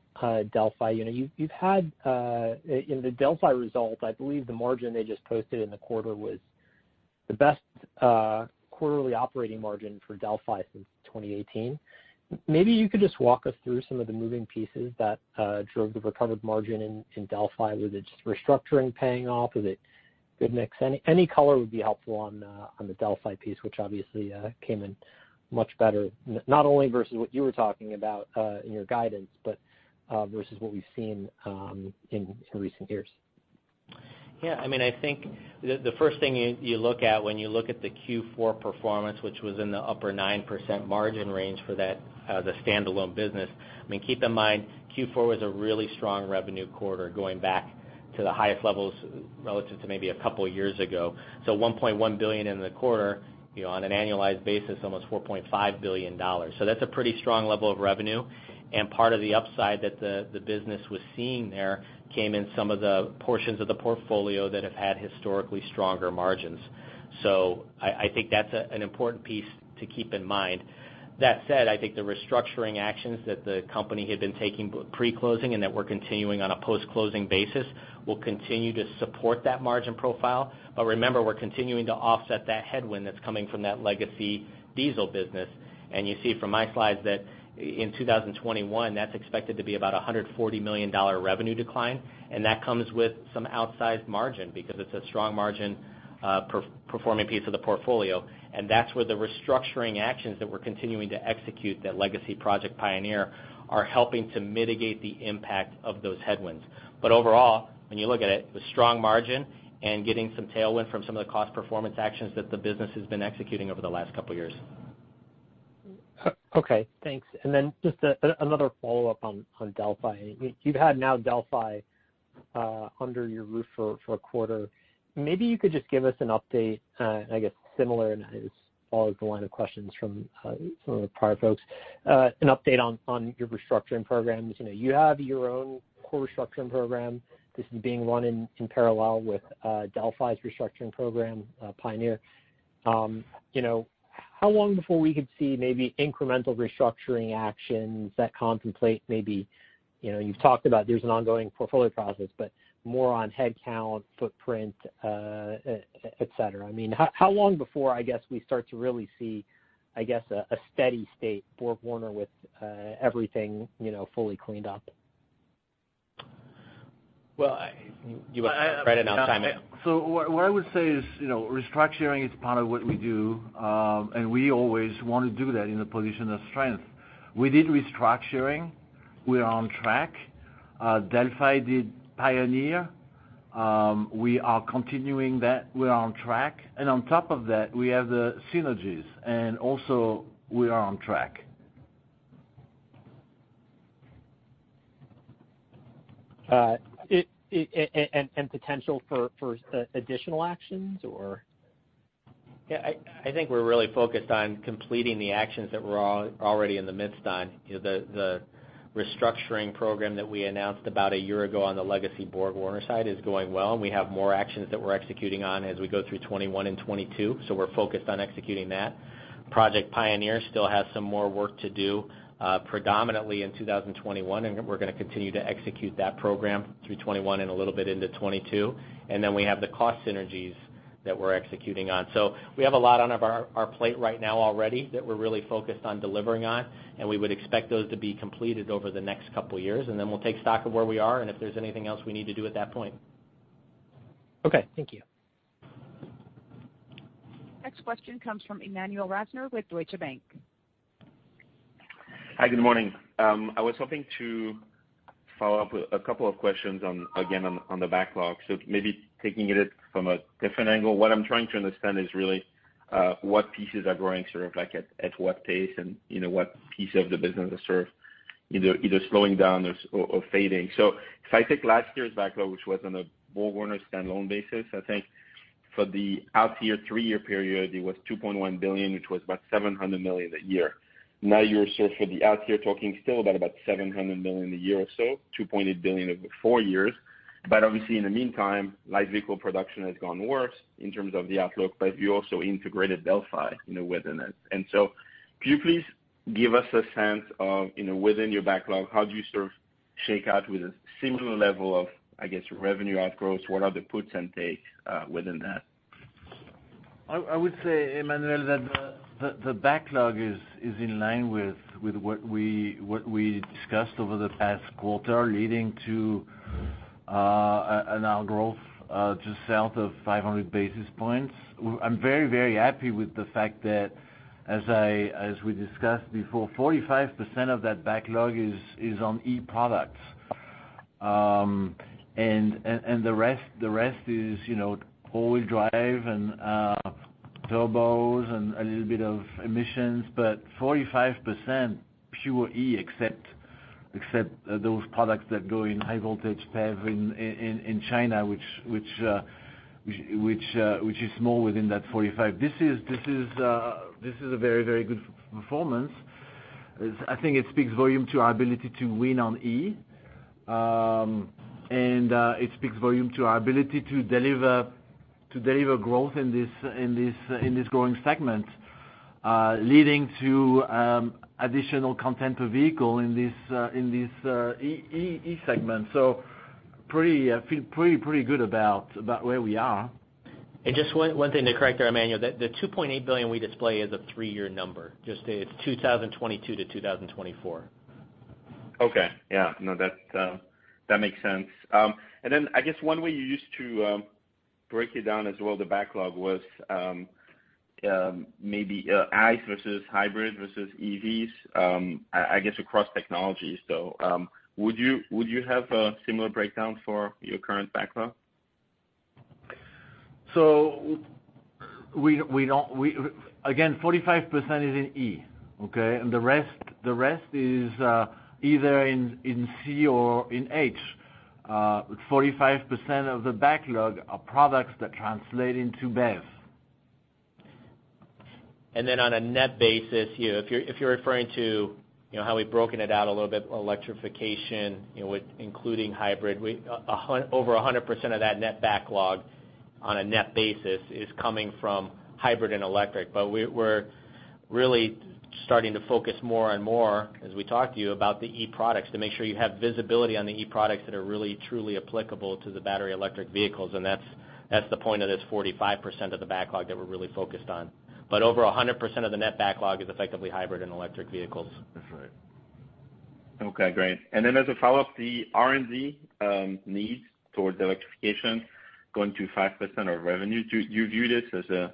Delphi. You've had in the Delphi result, I believe the margin they just posted in the quarter was the best quarterly operating margin for Delphi since 2018. Maybe you could just walk us through some of the moving pieces that drove the recovered margin in Delphi. Was it just restructuring paying off? Was it good mix? Any color would be helpful on the Delphi piece, which obviously came in much better, not only versus what you were talking about in your guidance, but versus what we've seen in recent years. Yeah. I mean, I think the first thing you look at when you look at the Q4 performance, which was in the upper 9% margin range for the standalone business. I mean, keep in mind Q4 was a really strong revenue quarter going back to the highest levels relative to maybe a couple of years ago. So $1.1 billion in the quarter on an annualized basis, almost $4.5 billion. So that's a pretty strong level of revenue, and part of the upside that the business was seeing there came in some of the portions of the portfolio that have had historically stronger margins. So I think that's an important piece to keep in mind. That said, I think the restructuring actions that the company had been taking pre-closing and that we're continuing on a post-closing basis will continue to support that margin profile. But remember, we're continuing to offset that headwind that's coming from that legacy diesel business. And you see from my slides that in 2021, that's expected to be about a $140 million revenue decline. And that comes with some outsized margin because it's a strong margin performing piece of the portfolio. And that's where the restructuring actions that we're continuing to execute, that legacy Project Pioneer, are helping to mitigate the impact of those headwinds. But overall, when you look at it, it was strong margin and getting some tailwind from some of the cost performance actions that the business has been executing over the last couple of years. Okay. Thanks. And then just another follow-up on Delphi. You've had now Delphi under your roof for a quarter. Maybe you could just give us an update, I guess, similar as far as the line of questions from some of the prior folks, an update on your restructuring programs. You have your own core restructuring program. This is being run in parallel with Delphi's restructuring program, Pioneer. How long before we could see maybe incremental restructuring actions that contemplate maybe you've talked about there's an ongoing portfolio process, but more on headcount, footprint, etc.? I mean, how long before, I guess, we start to really see, I guess, a steady state, BorgWarner with everything fully cleaned up? Well, you want to write it out. So what I would say is restructuring is part of what we do, and we always want to do that in a position of strength. We did restructuring. We're on track. Delphi did Pioneer. We are continuing that. We're on track, and on top of that, we have the synergies, and also, we are on track, and potential for additional actions, or? Yeah, I think we're really focused on completing the actions that we're already in the midst on. The restructuring program that we announced about a year ago on the legacy BorgWarner side is going well, and we have more actions that we're executing on as we go through 2021 and 2022. So we're focused on executing that. Project Pioneer still has some more work to do, predominantly in 2021, and we're going to continue to execute that program through 2021 and a little bit into 2022. And then we have the cost synergies that we're executing on, so we have a lot on our plate right now already that we're really focused on delivering on. And we would expect those to be completed over the next couple of years. And then we'll take stock of where we are and if there's anything else we need to do at that point. Okay. Thank you. Next question comes from Emmanuel Rosner with Deutsche Bank. Hi. Good morning. I was hoping to follow up with a couple of questions again on the backlog. So maybe taking it from a different angle, what I'm trying to understand is really what pieces are growing sort of at what pace and what piece of the business is sort of either slowing down or fading. So if I take last year's backlog, which was on a BorgWarner standalone basis, I think for the out-year three-year period, it was $2.1 billion, which was about $700 million a year. Now you're sort of for the out-year talking still about $700 million a year or so, $2.8 billion over four years. But obviously, in the meantime, light vehicle production has gone worse in terms of the outlook, but you also integrated Delphi within it. And so could you please give us a sense of within your backlog, how do you sort of shake out with a similar level of, I guess, revenue outgrowth? What are the puts and takes within that? I would say, Emmanuel, that the backlog is in line with what we discussed over the past quarter leading to an outgrowth just south of 500 basis points. I'm very, very happy with the fact that, as we discussed before, 45% of that backlog is on e-products. And the rest is all drive and turbos and a little bit of emissions. But 45% pure E, except those products that go in high-voltage PEV in China, which is more within that 45%. This is a very, very good performance. I think it speaks volume to our ability to win on E. And it speaks volume to our ability to deliver growth in this growing segment, leading to additional content per vehicle in this E segment. So I feel pretty good about where we are. And just one thing to correct there, Emmanuel, that the $2.8 billion we display is a three-year number. Just it's 2022 to 2024. Okay. Yeah. No, that makes sense. And then I guess one way you used to break it down as well, the backlog was maybe ICE versus hybrid versus EVs, I guess, across technologies. So would you have a similar breakdown for your current backlog? So again, 45% is in E, okay? And the rest is either in C or in H. 45% of the backlog are products that translate into BEVs. And then on a net basis, if you're referring to how we've broken it out a little bit, electrification, including hybrid, over 100% of that net backlog on a net basis is coming from hybrid and electric. But we're really starting to focus more and more, as we talked to you, about the E products to make sure you have visibility on the E products that are really truly applicable to the battery electric vehicles. And that's the point of this 45% of the backlog that we're really focused on. But over 100% of the net backlog is effectively hybrid and electric vehicles. That's right. Okay. Great. And then as a follow-up, the R&D needs towards electrification going to 5% of revenue. Do you view this as a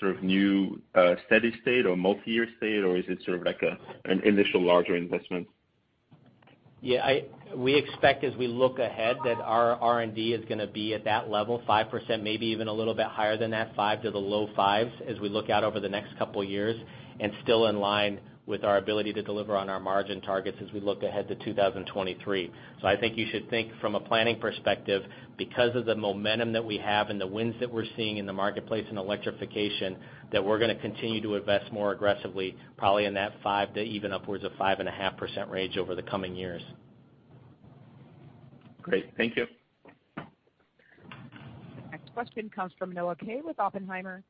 sort of new steady state or multi-year state, or is it sort of like an initial larger investment? Yeah. We expect, as we look ahead, that our R&D is going to be at that level, 5%, maybe even a little bit higher than that, 5% to the low 5% as we look out over the next couple of years and still in line with our ability to deliver on our margin targets as we look ahead to 2023. So I think you should think from a planning perspective, because of the momentum that we have and the wins that we're seeing in the marketplace and electrification, that we're going to continue to invest more aggressively, probably in that 5% to even upwards of 5.5% range over the coming years. Great. Thank you. Next question comes from Noah Kaye with Oppenheimer.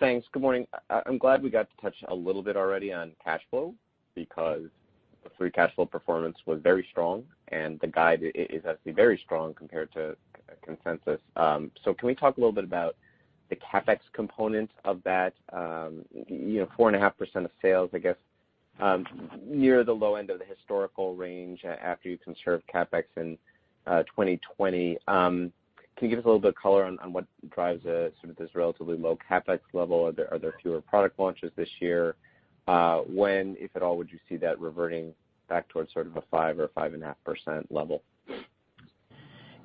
Thanks. Good morning. I'm glad we got to touch a little bit already on cash flow because the Free Cash Flow performance was very strong. And the guide is actually very strong compared to consensus. So can we talk a little bit about the CapEx component of that? 4.5% of sales, I guess, near the low end of the historical range after you conserved CapEx in 2020. Can you give us a little bit of color on what drives sort of this relatively low CapEx level? Are there fewer product launches this year? When, if at all, would you see that reverting back towards sort of a 5% or 5.5% level?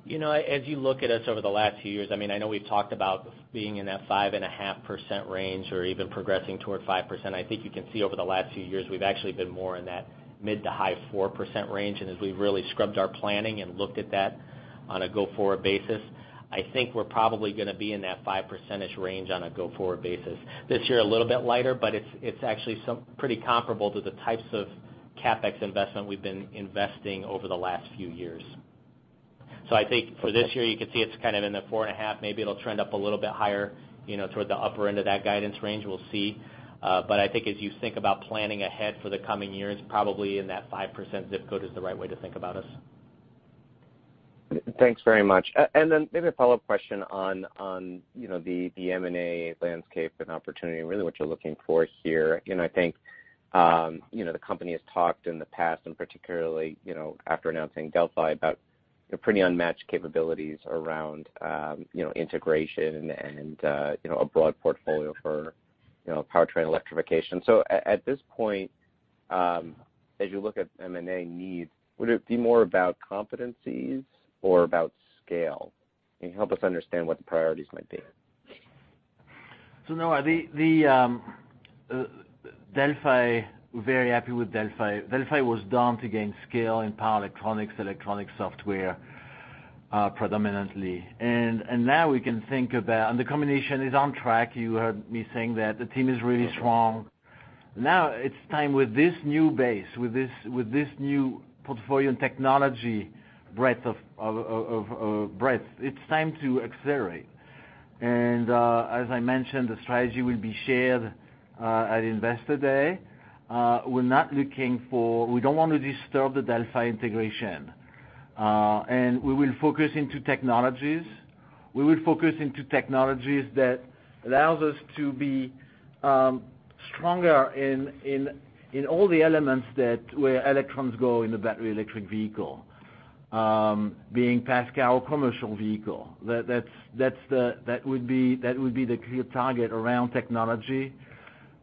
As you look at us over the last few years, I mean, I know we've talked about being in that 5.5% range or even progressing toward 5%. I think you can see over the last few years, we've actually been more in that mid- to high-4% range. And as we've really scrubbed our planning and looked at that on a go-forward basis, I think we're probably going to be in that 5%-ish range on a go-forward basis. This year, a little bit lighter, but it's actually pretty comparable to the types of CapEx investment we've been investing over the last few years. So I think for this year, you can see it's kind of in the 4.5. Maybe it'll trend up a little bit higher toward the upper end of that guidance range. We'll see. But I think as you think about planning ahead for the coming years, probably in that 5% zip code is the right way to think about us. Thanks very much. And then maybe a follow-up question on the M&A landscape and opportunity, really what you're looking for here. I think the company has talked in the past, and particularly after announcing Delphi, about pretty unmatched capabilities around integration and a broad portfolio for powertrain electrification. So at this point, as you look at M&A needs, would it be more about competencies or about scale? And help us understand what the priorities might be. So no, Delphi, we're very happy with Delphi. Delphi was done to gain scale in power electronics, electronic software predominantly. And now we can think about, and the combination is on track. You heard me saying that the team is really strong. Now it's time with this new base, with this new portfolio and technology breadth. It's time to accelerate. And as I mentioned, the strategy will be shared at Investor Day. We're not looking to. We don't want to disturb the Delphi integration, and we will focus on technologies that allows us to be stronger in all the elements that where electrons go in a battery electric vehicle, being passenger car or commercial vehicle. That would be the clear target around technology,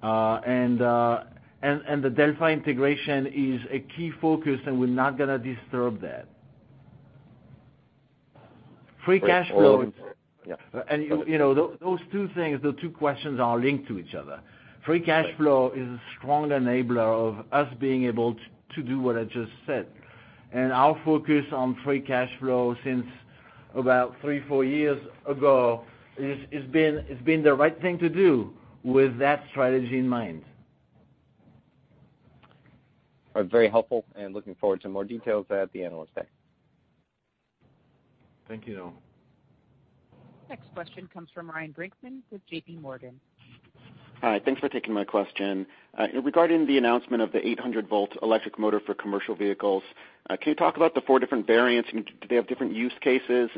and the Delphi integration is a key focus, and we're not going to disturb that. Free cash flow. Yeah. Those two things, the two questions are linked to each other. Free cash flow is a strong enabler of us being able to do what I just said. Our focus on free cash flow since about three, four years ago has been the right thing to do with that strategy in mind. Very helpful. Looking forward to more details at the Analyst Day. Thank you. Next question comes from Ryan Brinkman with J.P. Morgan. Hi. Thanks for taking my question. Regarding the announcement of the 800-volt electric motor for commercial vehicles, can you talk about the four different variants? Do they have different use cases?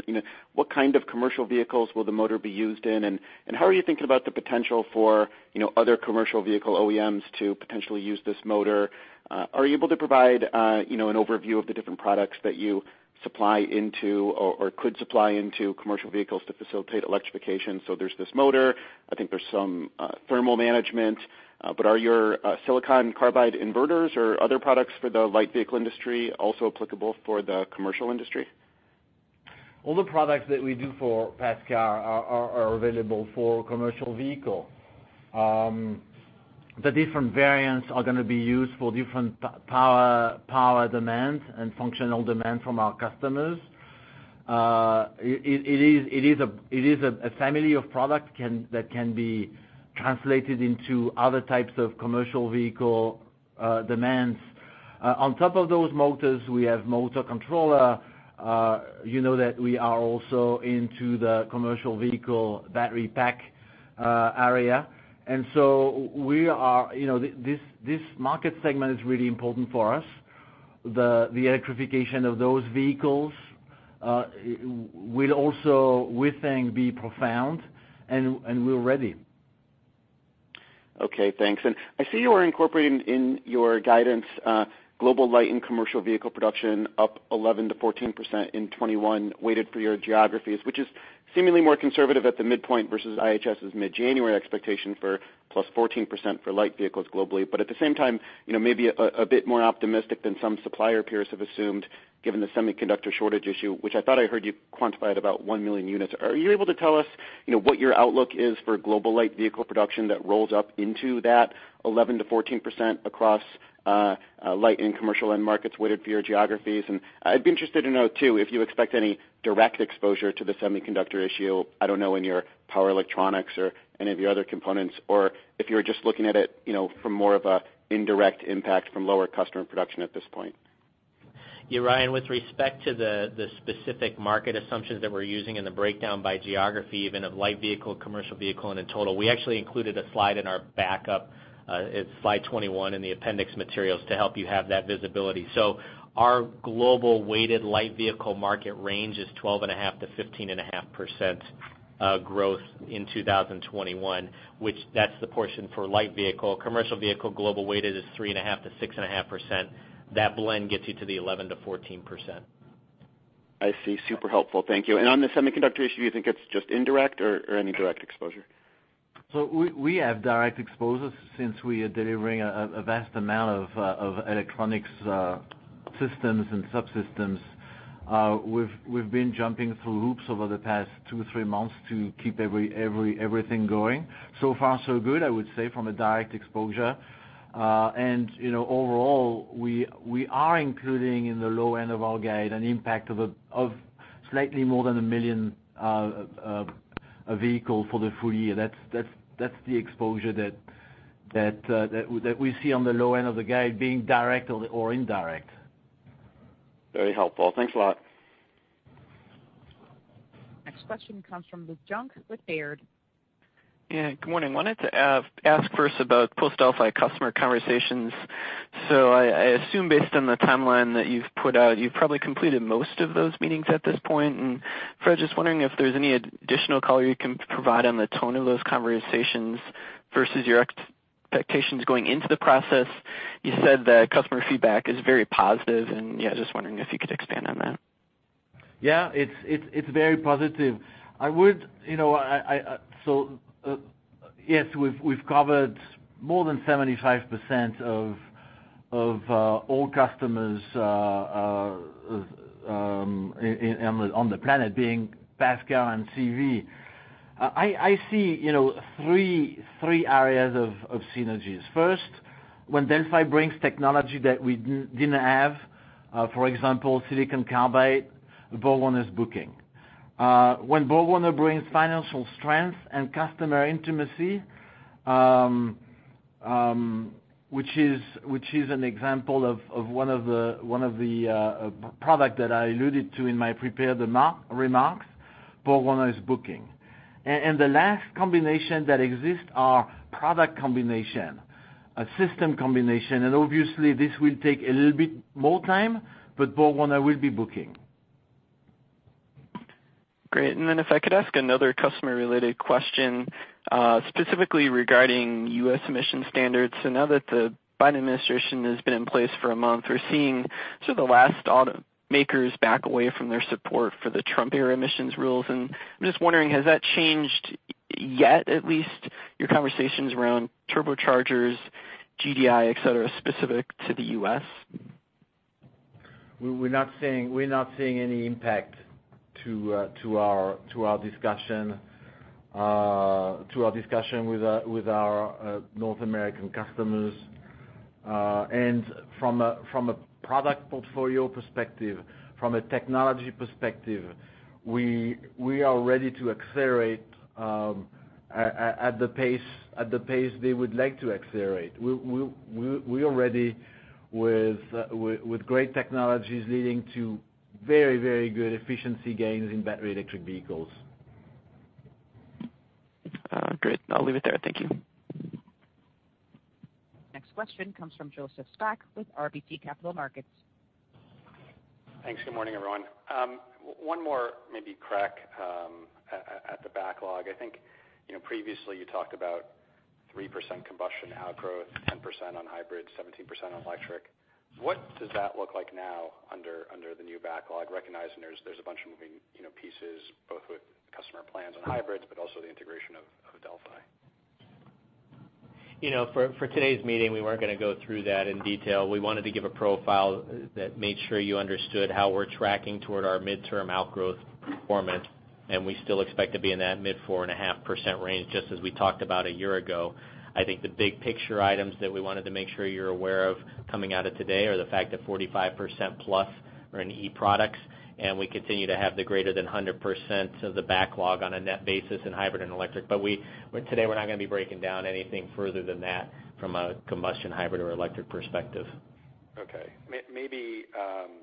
What kind of commercial vehicles will the motor be used in? And how are you thinking about the potential for other commercial vehicle OEMs to potentially use this motor? Are you able to provide an overview of the different products that you supply into or could supply into commercial vehicles to facilitate electrification? So there's this motor. I think there's some thermal management. But are your silicon carbide inverters or other products for the light vehicle industry also applicable for the commercial industry? All the products that we do for passenger car are available for commercial vehicles. The different variants are going to be used for different power demands and functional demands from our customers. It is a family of products that can be translated into other types of commercial vehicle demands. On top of those motors, we have motor controller. You know that we are also into the commercial vehicle battery pack area. And so we are. This market segment is really important for us. The electrification of those vehicles will also, we think, be profound. And we're ready. Okay. Thanks. And I see you are incorporating in your guidance global light and commercial vehicle production up 11%-14% in 2021 weighted for your geographies, which is seemingly more conservative at the midpoint versus IHS's mid-January expectation for plus 14% for light vehicles globally. But at the same time, maybe a bit more optimistic than some supplier peers have assumed given the semiconductor shortage issue, which I thought I heard you quantified about one million units. Are you able to tell us what your outlook is for global light vehicle production that rolls up into that 11%-14% across light and commercial end markets weighted for your geographies? And I'd be interested to know too if you expect any direct exposure to the semiconductor issue. I don't know in your power electronics or any of your other components, or if you're just looking at it from more of an indirect impact from lower customer production at this point. Yeah, Ryan, with respect to the specific market assumptions that we're using in the breakdown by geography, even of light vehicle, commercial vehicle, and in total, we actually included a slide in our backup. It's slide 21 in the appendix materials to help you have that visibility. So our global weighted light vehicle market range is 12.5-15.5% growth in 2021, which that's the portion for light vehicle. Commercial vehicle global weighted is 3.5-6.5%. That blend gets you to the 11-14%. I see. Super helpful. Thank you. And on the semiconductor issue, do you think it's just indirect or any direct exposure? So we have direct exposures since we are delivering a vast amount of electronics systems and subsystems. We've been jumping through hoops over the past two, three months to keep everything going. So far, so good, I would say, from a direct exposure. And overall, we are including in the low end of our guide an impact of slightly more than a million vehicles for the full year. That's the exposure that we see on the low end of the guide being direct or indirect. Very helpful. Thanks a lot. Next question comes from Vijay Rakesh. Yeah. Good morning. I wanted to ask first about post-Delphi customer conversations. So I assume based on the timeline that you've put out, you've probably completed most of those meetings at this point. And Fred, just wondering if there's any additional color you can provide on the tone of those conversations versus your expectations going into the process. You said that customer feedback is very positive. And yeah, just wondering if you could expand on that. Yeah. It's very positive. I would, so yes, we've covered more than 75% of all customers on the planet being passenger car and CV. I see three areas of synergies. First, when Delphi brings technology that we didn't have, for example, silicon carbide, BorgWarner's booking. When BorgWarner brings financial strength and customer intimacy, which is an example of one of the products that I alluded to in my prepared remarks, BorgWarner is booking. The last combination that exists is a product combination, a system combination. Obviously, this will take a little bit more time, but BorgWarner will be booking. Great. Then if I could ask another customer-related question specifically regarding U.S. emission standards. Now that the Biden administration has been in place for a month, we're seeing sort of the automakers back away from their support for the Trump era emissions rules. I'm just wondering, has that changed yet, at least your conversations around turbochargers, GDI, etc., specific to the U.S.? We're not seeing any impact to our discussion with our North American customers. From a product portfolio perspective, from a technology perspective, we are ready to accelerate at the pace they would like to accelerate. We are ready with great technologies leading to very, very good efficiency gains in battery electric vehicles. Great. I'll leave it there. Thank you. Next question comes from Joseph Spak with RBC Capital Markets. Thanks. Good morning, everyone. One more maybe crack at the backlog. I think previously you talked about 3% combustion outgrowth, 10% on hybrids, 17% on electric. What does that look like now under the new backlog, recognizing there's a bunch of moving pieces, both with customer plans on hybrids, but also the integration of Delphi? For today's meeting, we weren't going to go through that in detail. We wanted to give a profile that made sure you understood how we're tracking toward our midterm outgrowth performance. And we still expect to be in that mid 4.5% range, just as we talked about a year ago. I think the big picture items that we wanted to make sure you're aware of coming out of today are the fact that 45% plus are in E products. And we continue to have the greater than 100% of the backlog on a net basis in hybrid and electric. But today, we're not going to be breaking down anything further than that from a combustion hybrid or electric perspective. Okay. Maybe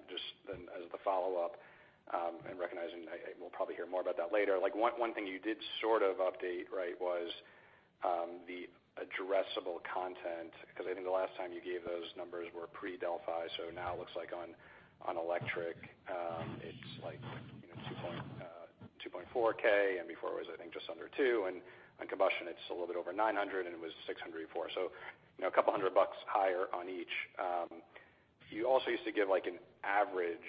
just as the follow-up, and recognizing we'll probably hear more about that later, one thing you did sort of update, right, was the addressable content. Because I think the last time you gave those numbers were pre-Delphi. So now it looks like on electric, it's like 2.4K. And before it was, I think, just under 2. And on combustion, it's a little bit over 900, and it was 604. So a couple hundred bucks higher on each. You also used to give an average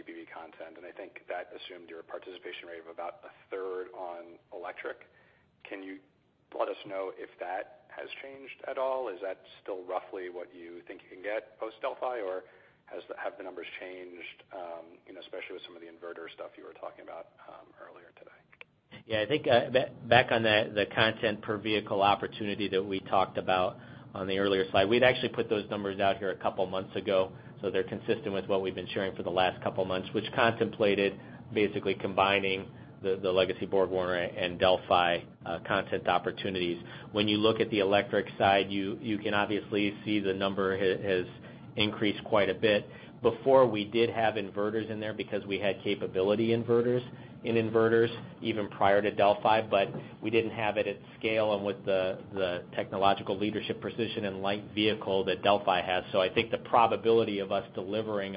CPV content. And I think that assumed your participation rate of about a third on electric. Can you let us know if that has changed at all? Is that still roughly what you think you can get post-Delphi? Or have the numbers changed, especially with some of the inverter stuff you were talking about earlier today? Yeah. I think back on the content per vehicle opportunity that we talked about on the earlier slide, we'd actually put those numbers out here a couple months ago. So they're consistent with what we've been sharing for the last couple months, which contemplated basically combining the legacy BorgWarner and Delphi content opportunities. When you look at the electric side, you can obviously see the number has increased quite a bit. Before, we did have inverters in there because we had capabilities in inverters even prior to Delphi. But we didn't have it at scale and with the technological leadership position in light vehicle that Delphi has. So I think the probability of us delivering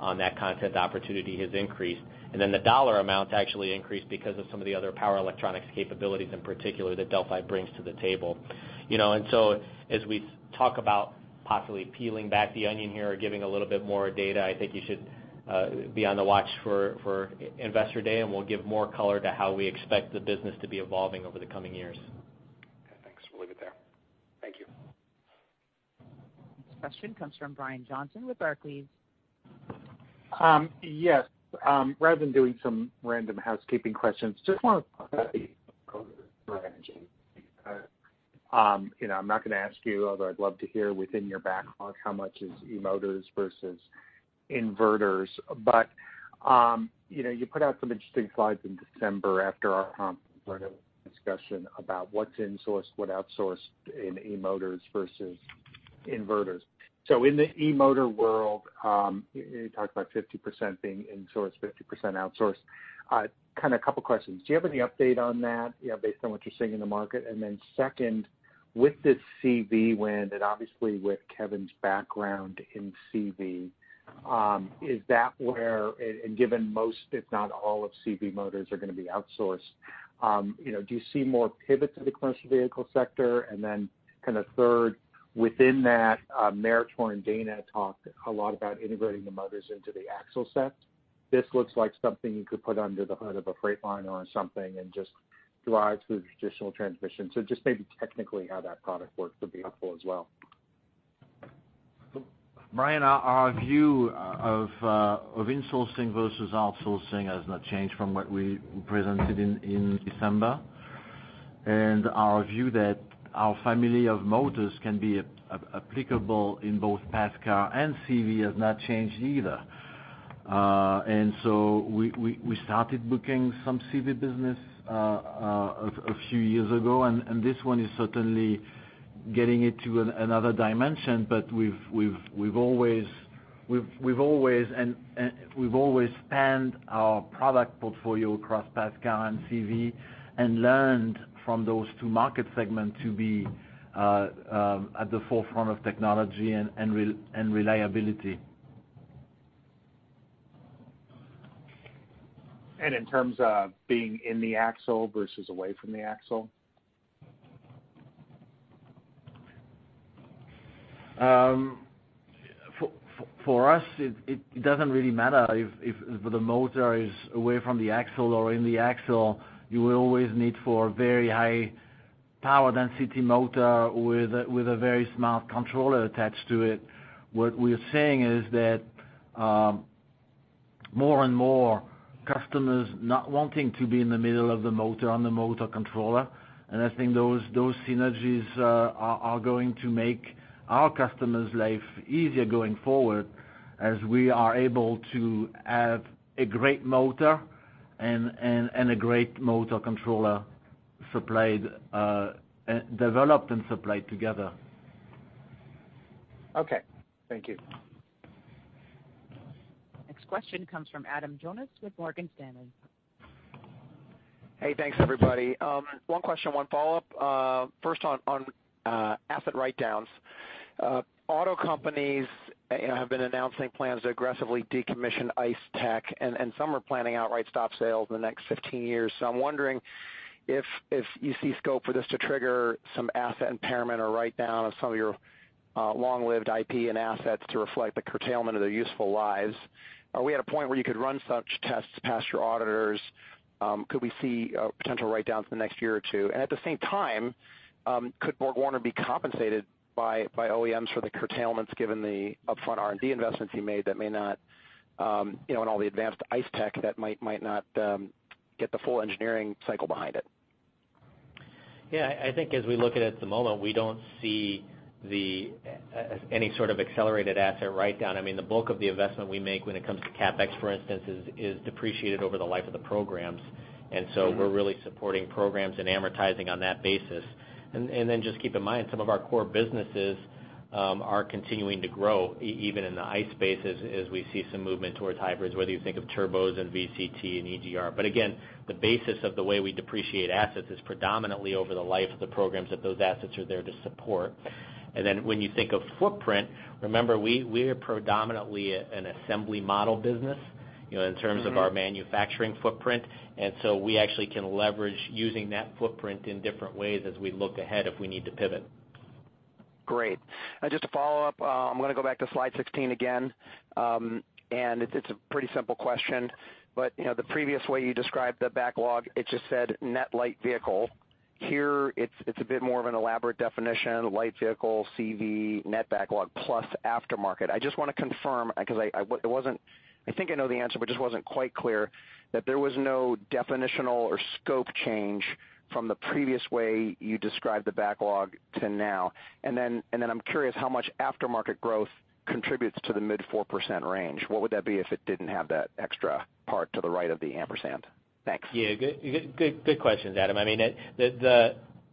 on that content opportunity has increased. And then the dollar amount actually increased because of some of the other power electronics capabilities in particular that Delphi brings to the table. And so as we talk about possibly peeling back the onion here or giving a little bit more data, I think you should be on the watch for Investor Day. And we'll give more color to how we expect the business to be evolving over the coming years. Okay. Thanks. We'll leave it there. Thank you. Next question comes from Brian Johnson with Barclays. Yes. Rather than doing some random housekeeping questions, I just want to talk about the inverter strategy. I'm not going to ask you, although I'd love to hear within your backlog how much is e-motors versus inverters. But you put out some interesting slides in December after our conference where we discussed about what's in-sourced, what out-sourced in e-motors versus inverters. So in the e-motor world, you talked about 50% being in-sourced, 50% out-sourced. Kind of a couple of questions. Do you have any update on that based on what you're seeing in the market? And then second, with this CV win and obviously with Kevin's background in CV, is that where, and given most, if not all, of CV motors are going to be out-sourced, do you see more pivots to the commercial vehicle sector? And then kind of third, within that, Meritor and Dana talked a lot about integrating the motors into the axle set. This looks like something you could put under the hood of a Freightliner or something and just drive through the traditional transmission. So just maybe technically how that product works would be helpful as well. Brian, our view of in-sourcing versus out-sourcing has not changed from what we presented in December. And our view that our family of motors can be applicable in both passenger car and CV has not changed either. And so we started booking some CV business a few years ago. And this one is certainly getting into another dimension. But we've always spanned our product portfolio across passenger car and CV and learned from those two market segments to be at the forefront of technology and reliability. And in terms of being in the axle versus away from the axle? For us, it doesn't really matter if the motor is away from the axle or in the axle. You will always need for a very high power density motor with a very smart controller attached to it. What we're saying is that more and more customers not wanting to be in the middle of the motor on the motor controller. And I think those synergies are going to make our customers' life easier going forward as we are able to have a great motor and a great motor controller developed and supplied together. Okay. Thank you. Next question comes from Adam Jonas with Morgan Stanley. Hey, thanks, everybody. One question, one follow-up. First, on asset write-downs. Auto companies have been announcing plans to aggressively decommission ICE tech. And some are planning outright stop sales in the next 15 years. So I'm wondering if you see scope for this to trigger some asset impairment or write-down of some of your long-lived IP and assets to reflect the curtailment of their useful lives. Are we at a point where you could run such tests past your auditors? Could we see potential write-downs in the next year or two? And at the same time, could BorgWarner be compensated by OEMs for the curtailments given the upfront R&D investments you made that may not, and all the advanced ICE tech that might not get the full engineering cycle behind it? Yeah. I think as we look at it at the moment, we don't see any sort of accelerated asset write-down. I mean, the bulk of the investment we make when it comes to CapEx, for instance, is depreciated over the life of the programs. And so we're really supporting programs and amortizing on that basis. And then just keep in mind, some of our core businesses are continuing to grow, even in the ICE space, as we see some movement towards hybrids, whether you think of turbos and VCT and EGR. But again, the basis of the way we depreciate assets is predominantly over the life of the programs that those assets are there to support. And then when you think of footprint, remember, we are predominantly an assembly model business in terms of our manufacturing footprint. And so we actually can leverage using that footprint in different ways as we look ahead if we need to pivot. Great. Just to follow up, I'm going to go back to slide 16 again. And it's a pretty simple question. But the previous way you described the backlog, it just said net light vehicle. Here, it's a bit more of an elaborate definition, light vehicle, CV, net backlog, plus aftermarket. I just want to confirm because I think I know the answer, but just wasn't quite clear that there was no definitional or scope change from the previous way you described the backlog to now. And then I'm curious how much aftermarket growth contributes to the mid 4% range. What would that be if it didn't have that extra part to the right of the ampersand? Thanks. Yeah. Good questions, Adam. I mean,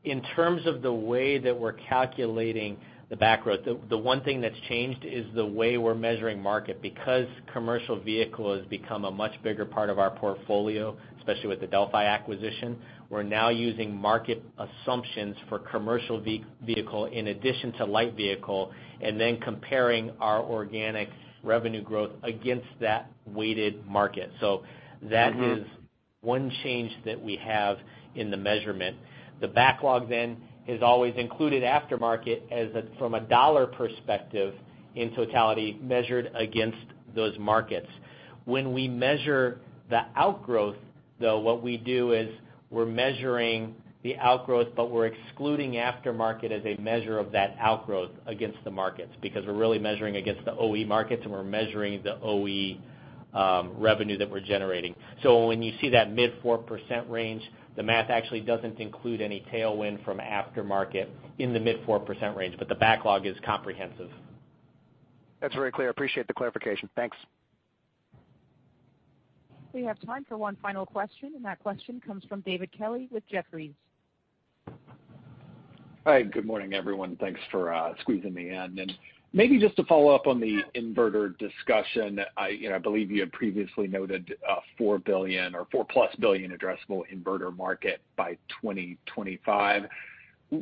in terms of the way that we're calculating the backlog growth, the one thing that's changed is the way we're measuring market. Because commercial vehicle has become a much bigger part of our portfolio, especially with the Delphi acquisition, we're now using market assumptions for commercial vehicle in addition to light vehicle and then comparing our organic revenue growth against that weighted market. So that is one change that we have in the measurement. The backlog then has always included aftermarket from a dollar perspective in totality measured against those markets. When we measure the outgrowth, though, what we do is we're measuring the outgrowth, but we're excluding aftermarket as a measure of that outgrowth against the markets because we're really measuring against the OE markets and we're measuring the OE revenue that we're generating. So when you see that mid-4% range, the math actually doesn't include any tailwind from aftermarket in the mid-4% range. But the backlog is comprehensive. That's very clear. Appreciate the clarification. Thanks. We have time for one final question. And that question comes from David Kelley with Jefferies. Hi. Good morning, everyone. Thanks for squeezing me in. And maybe just to follow up on the inverter discussion, I believe you had previously noted 4 billion or 4-plus billion addressable inverter market by 2025.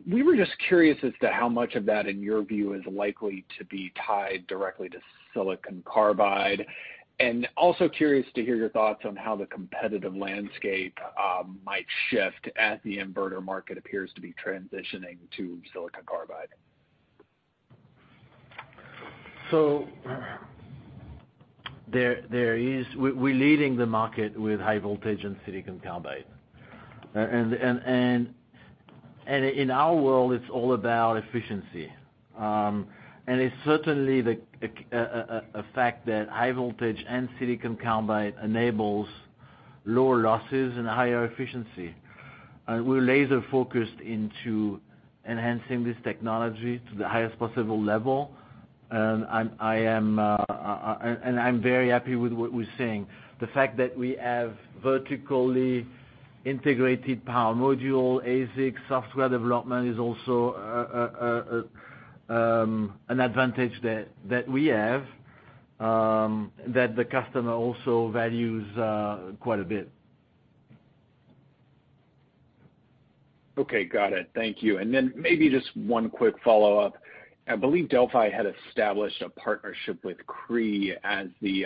We were just curious as to how much of that, in your view, is likely to be tied directly to silicon carbide. And also curious to hear your thoughts on how the competitive landscape might shift as the inverter market appears to be transitioning to silicon carbide. We're leading the market with high voltage and silicon carbide. And in our world, it's all about efficiency. And it's certainly a fact that high voltage and silicon carbide enables lower losses and higher efficiency. And we're laser-focused into enhancing this technology to the highest possible level. And I'm very happy with what we're seeing. The fact that we have vertically integrated power module, ASIC software development is also an advantage that we have that the customer also values quite a bit. Okay. Got it. Thank you. And then maybe just one quick follow-up. I believe Delphi had established a partnership with Cree as the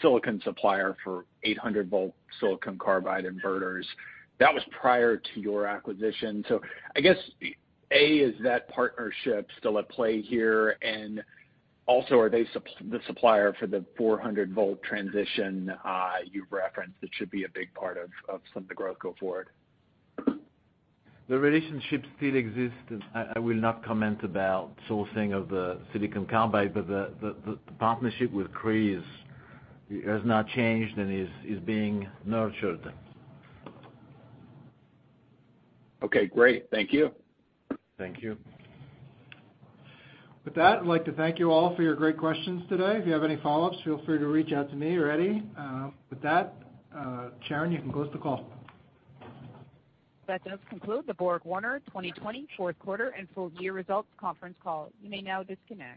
silicon supplier for 800-volt silicon carbide inverters. That was prior to your acquisition. So I guess, A, is that partnership still at play here? And also, are they the supplier for the 400-volt transition you've referenced that should be a big part of some of the growth go forward? The relationship still exists. I will not comment about sourcing of the silicon carbide. But the partnership with Cree has not changed and is being nurtured. Okay. Great. Thank you. Thank you. With that, I'd like to thank you all for your great questions today. If you have any follow-ups, feel free to reach out to me or Eddie. With that, Sharon, you can close the call. That does conclude the BorgWarner 2020 fourth quarter and full year results conference call. You may now disconnect.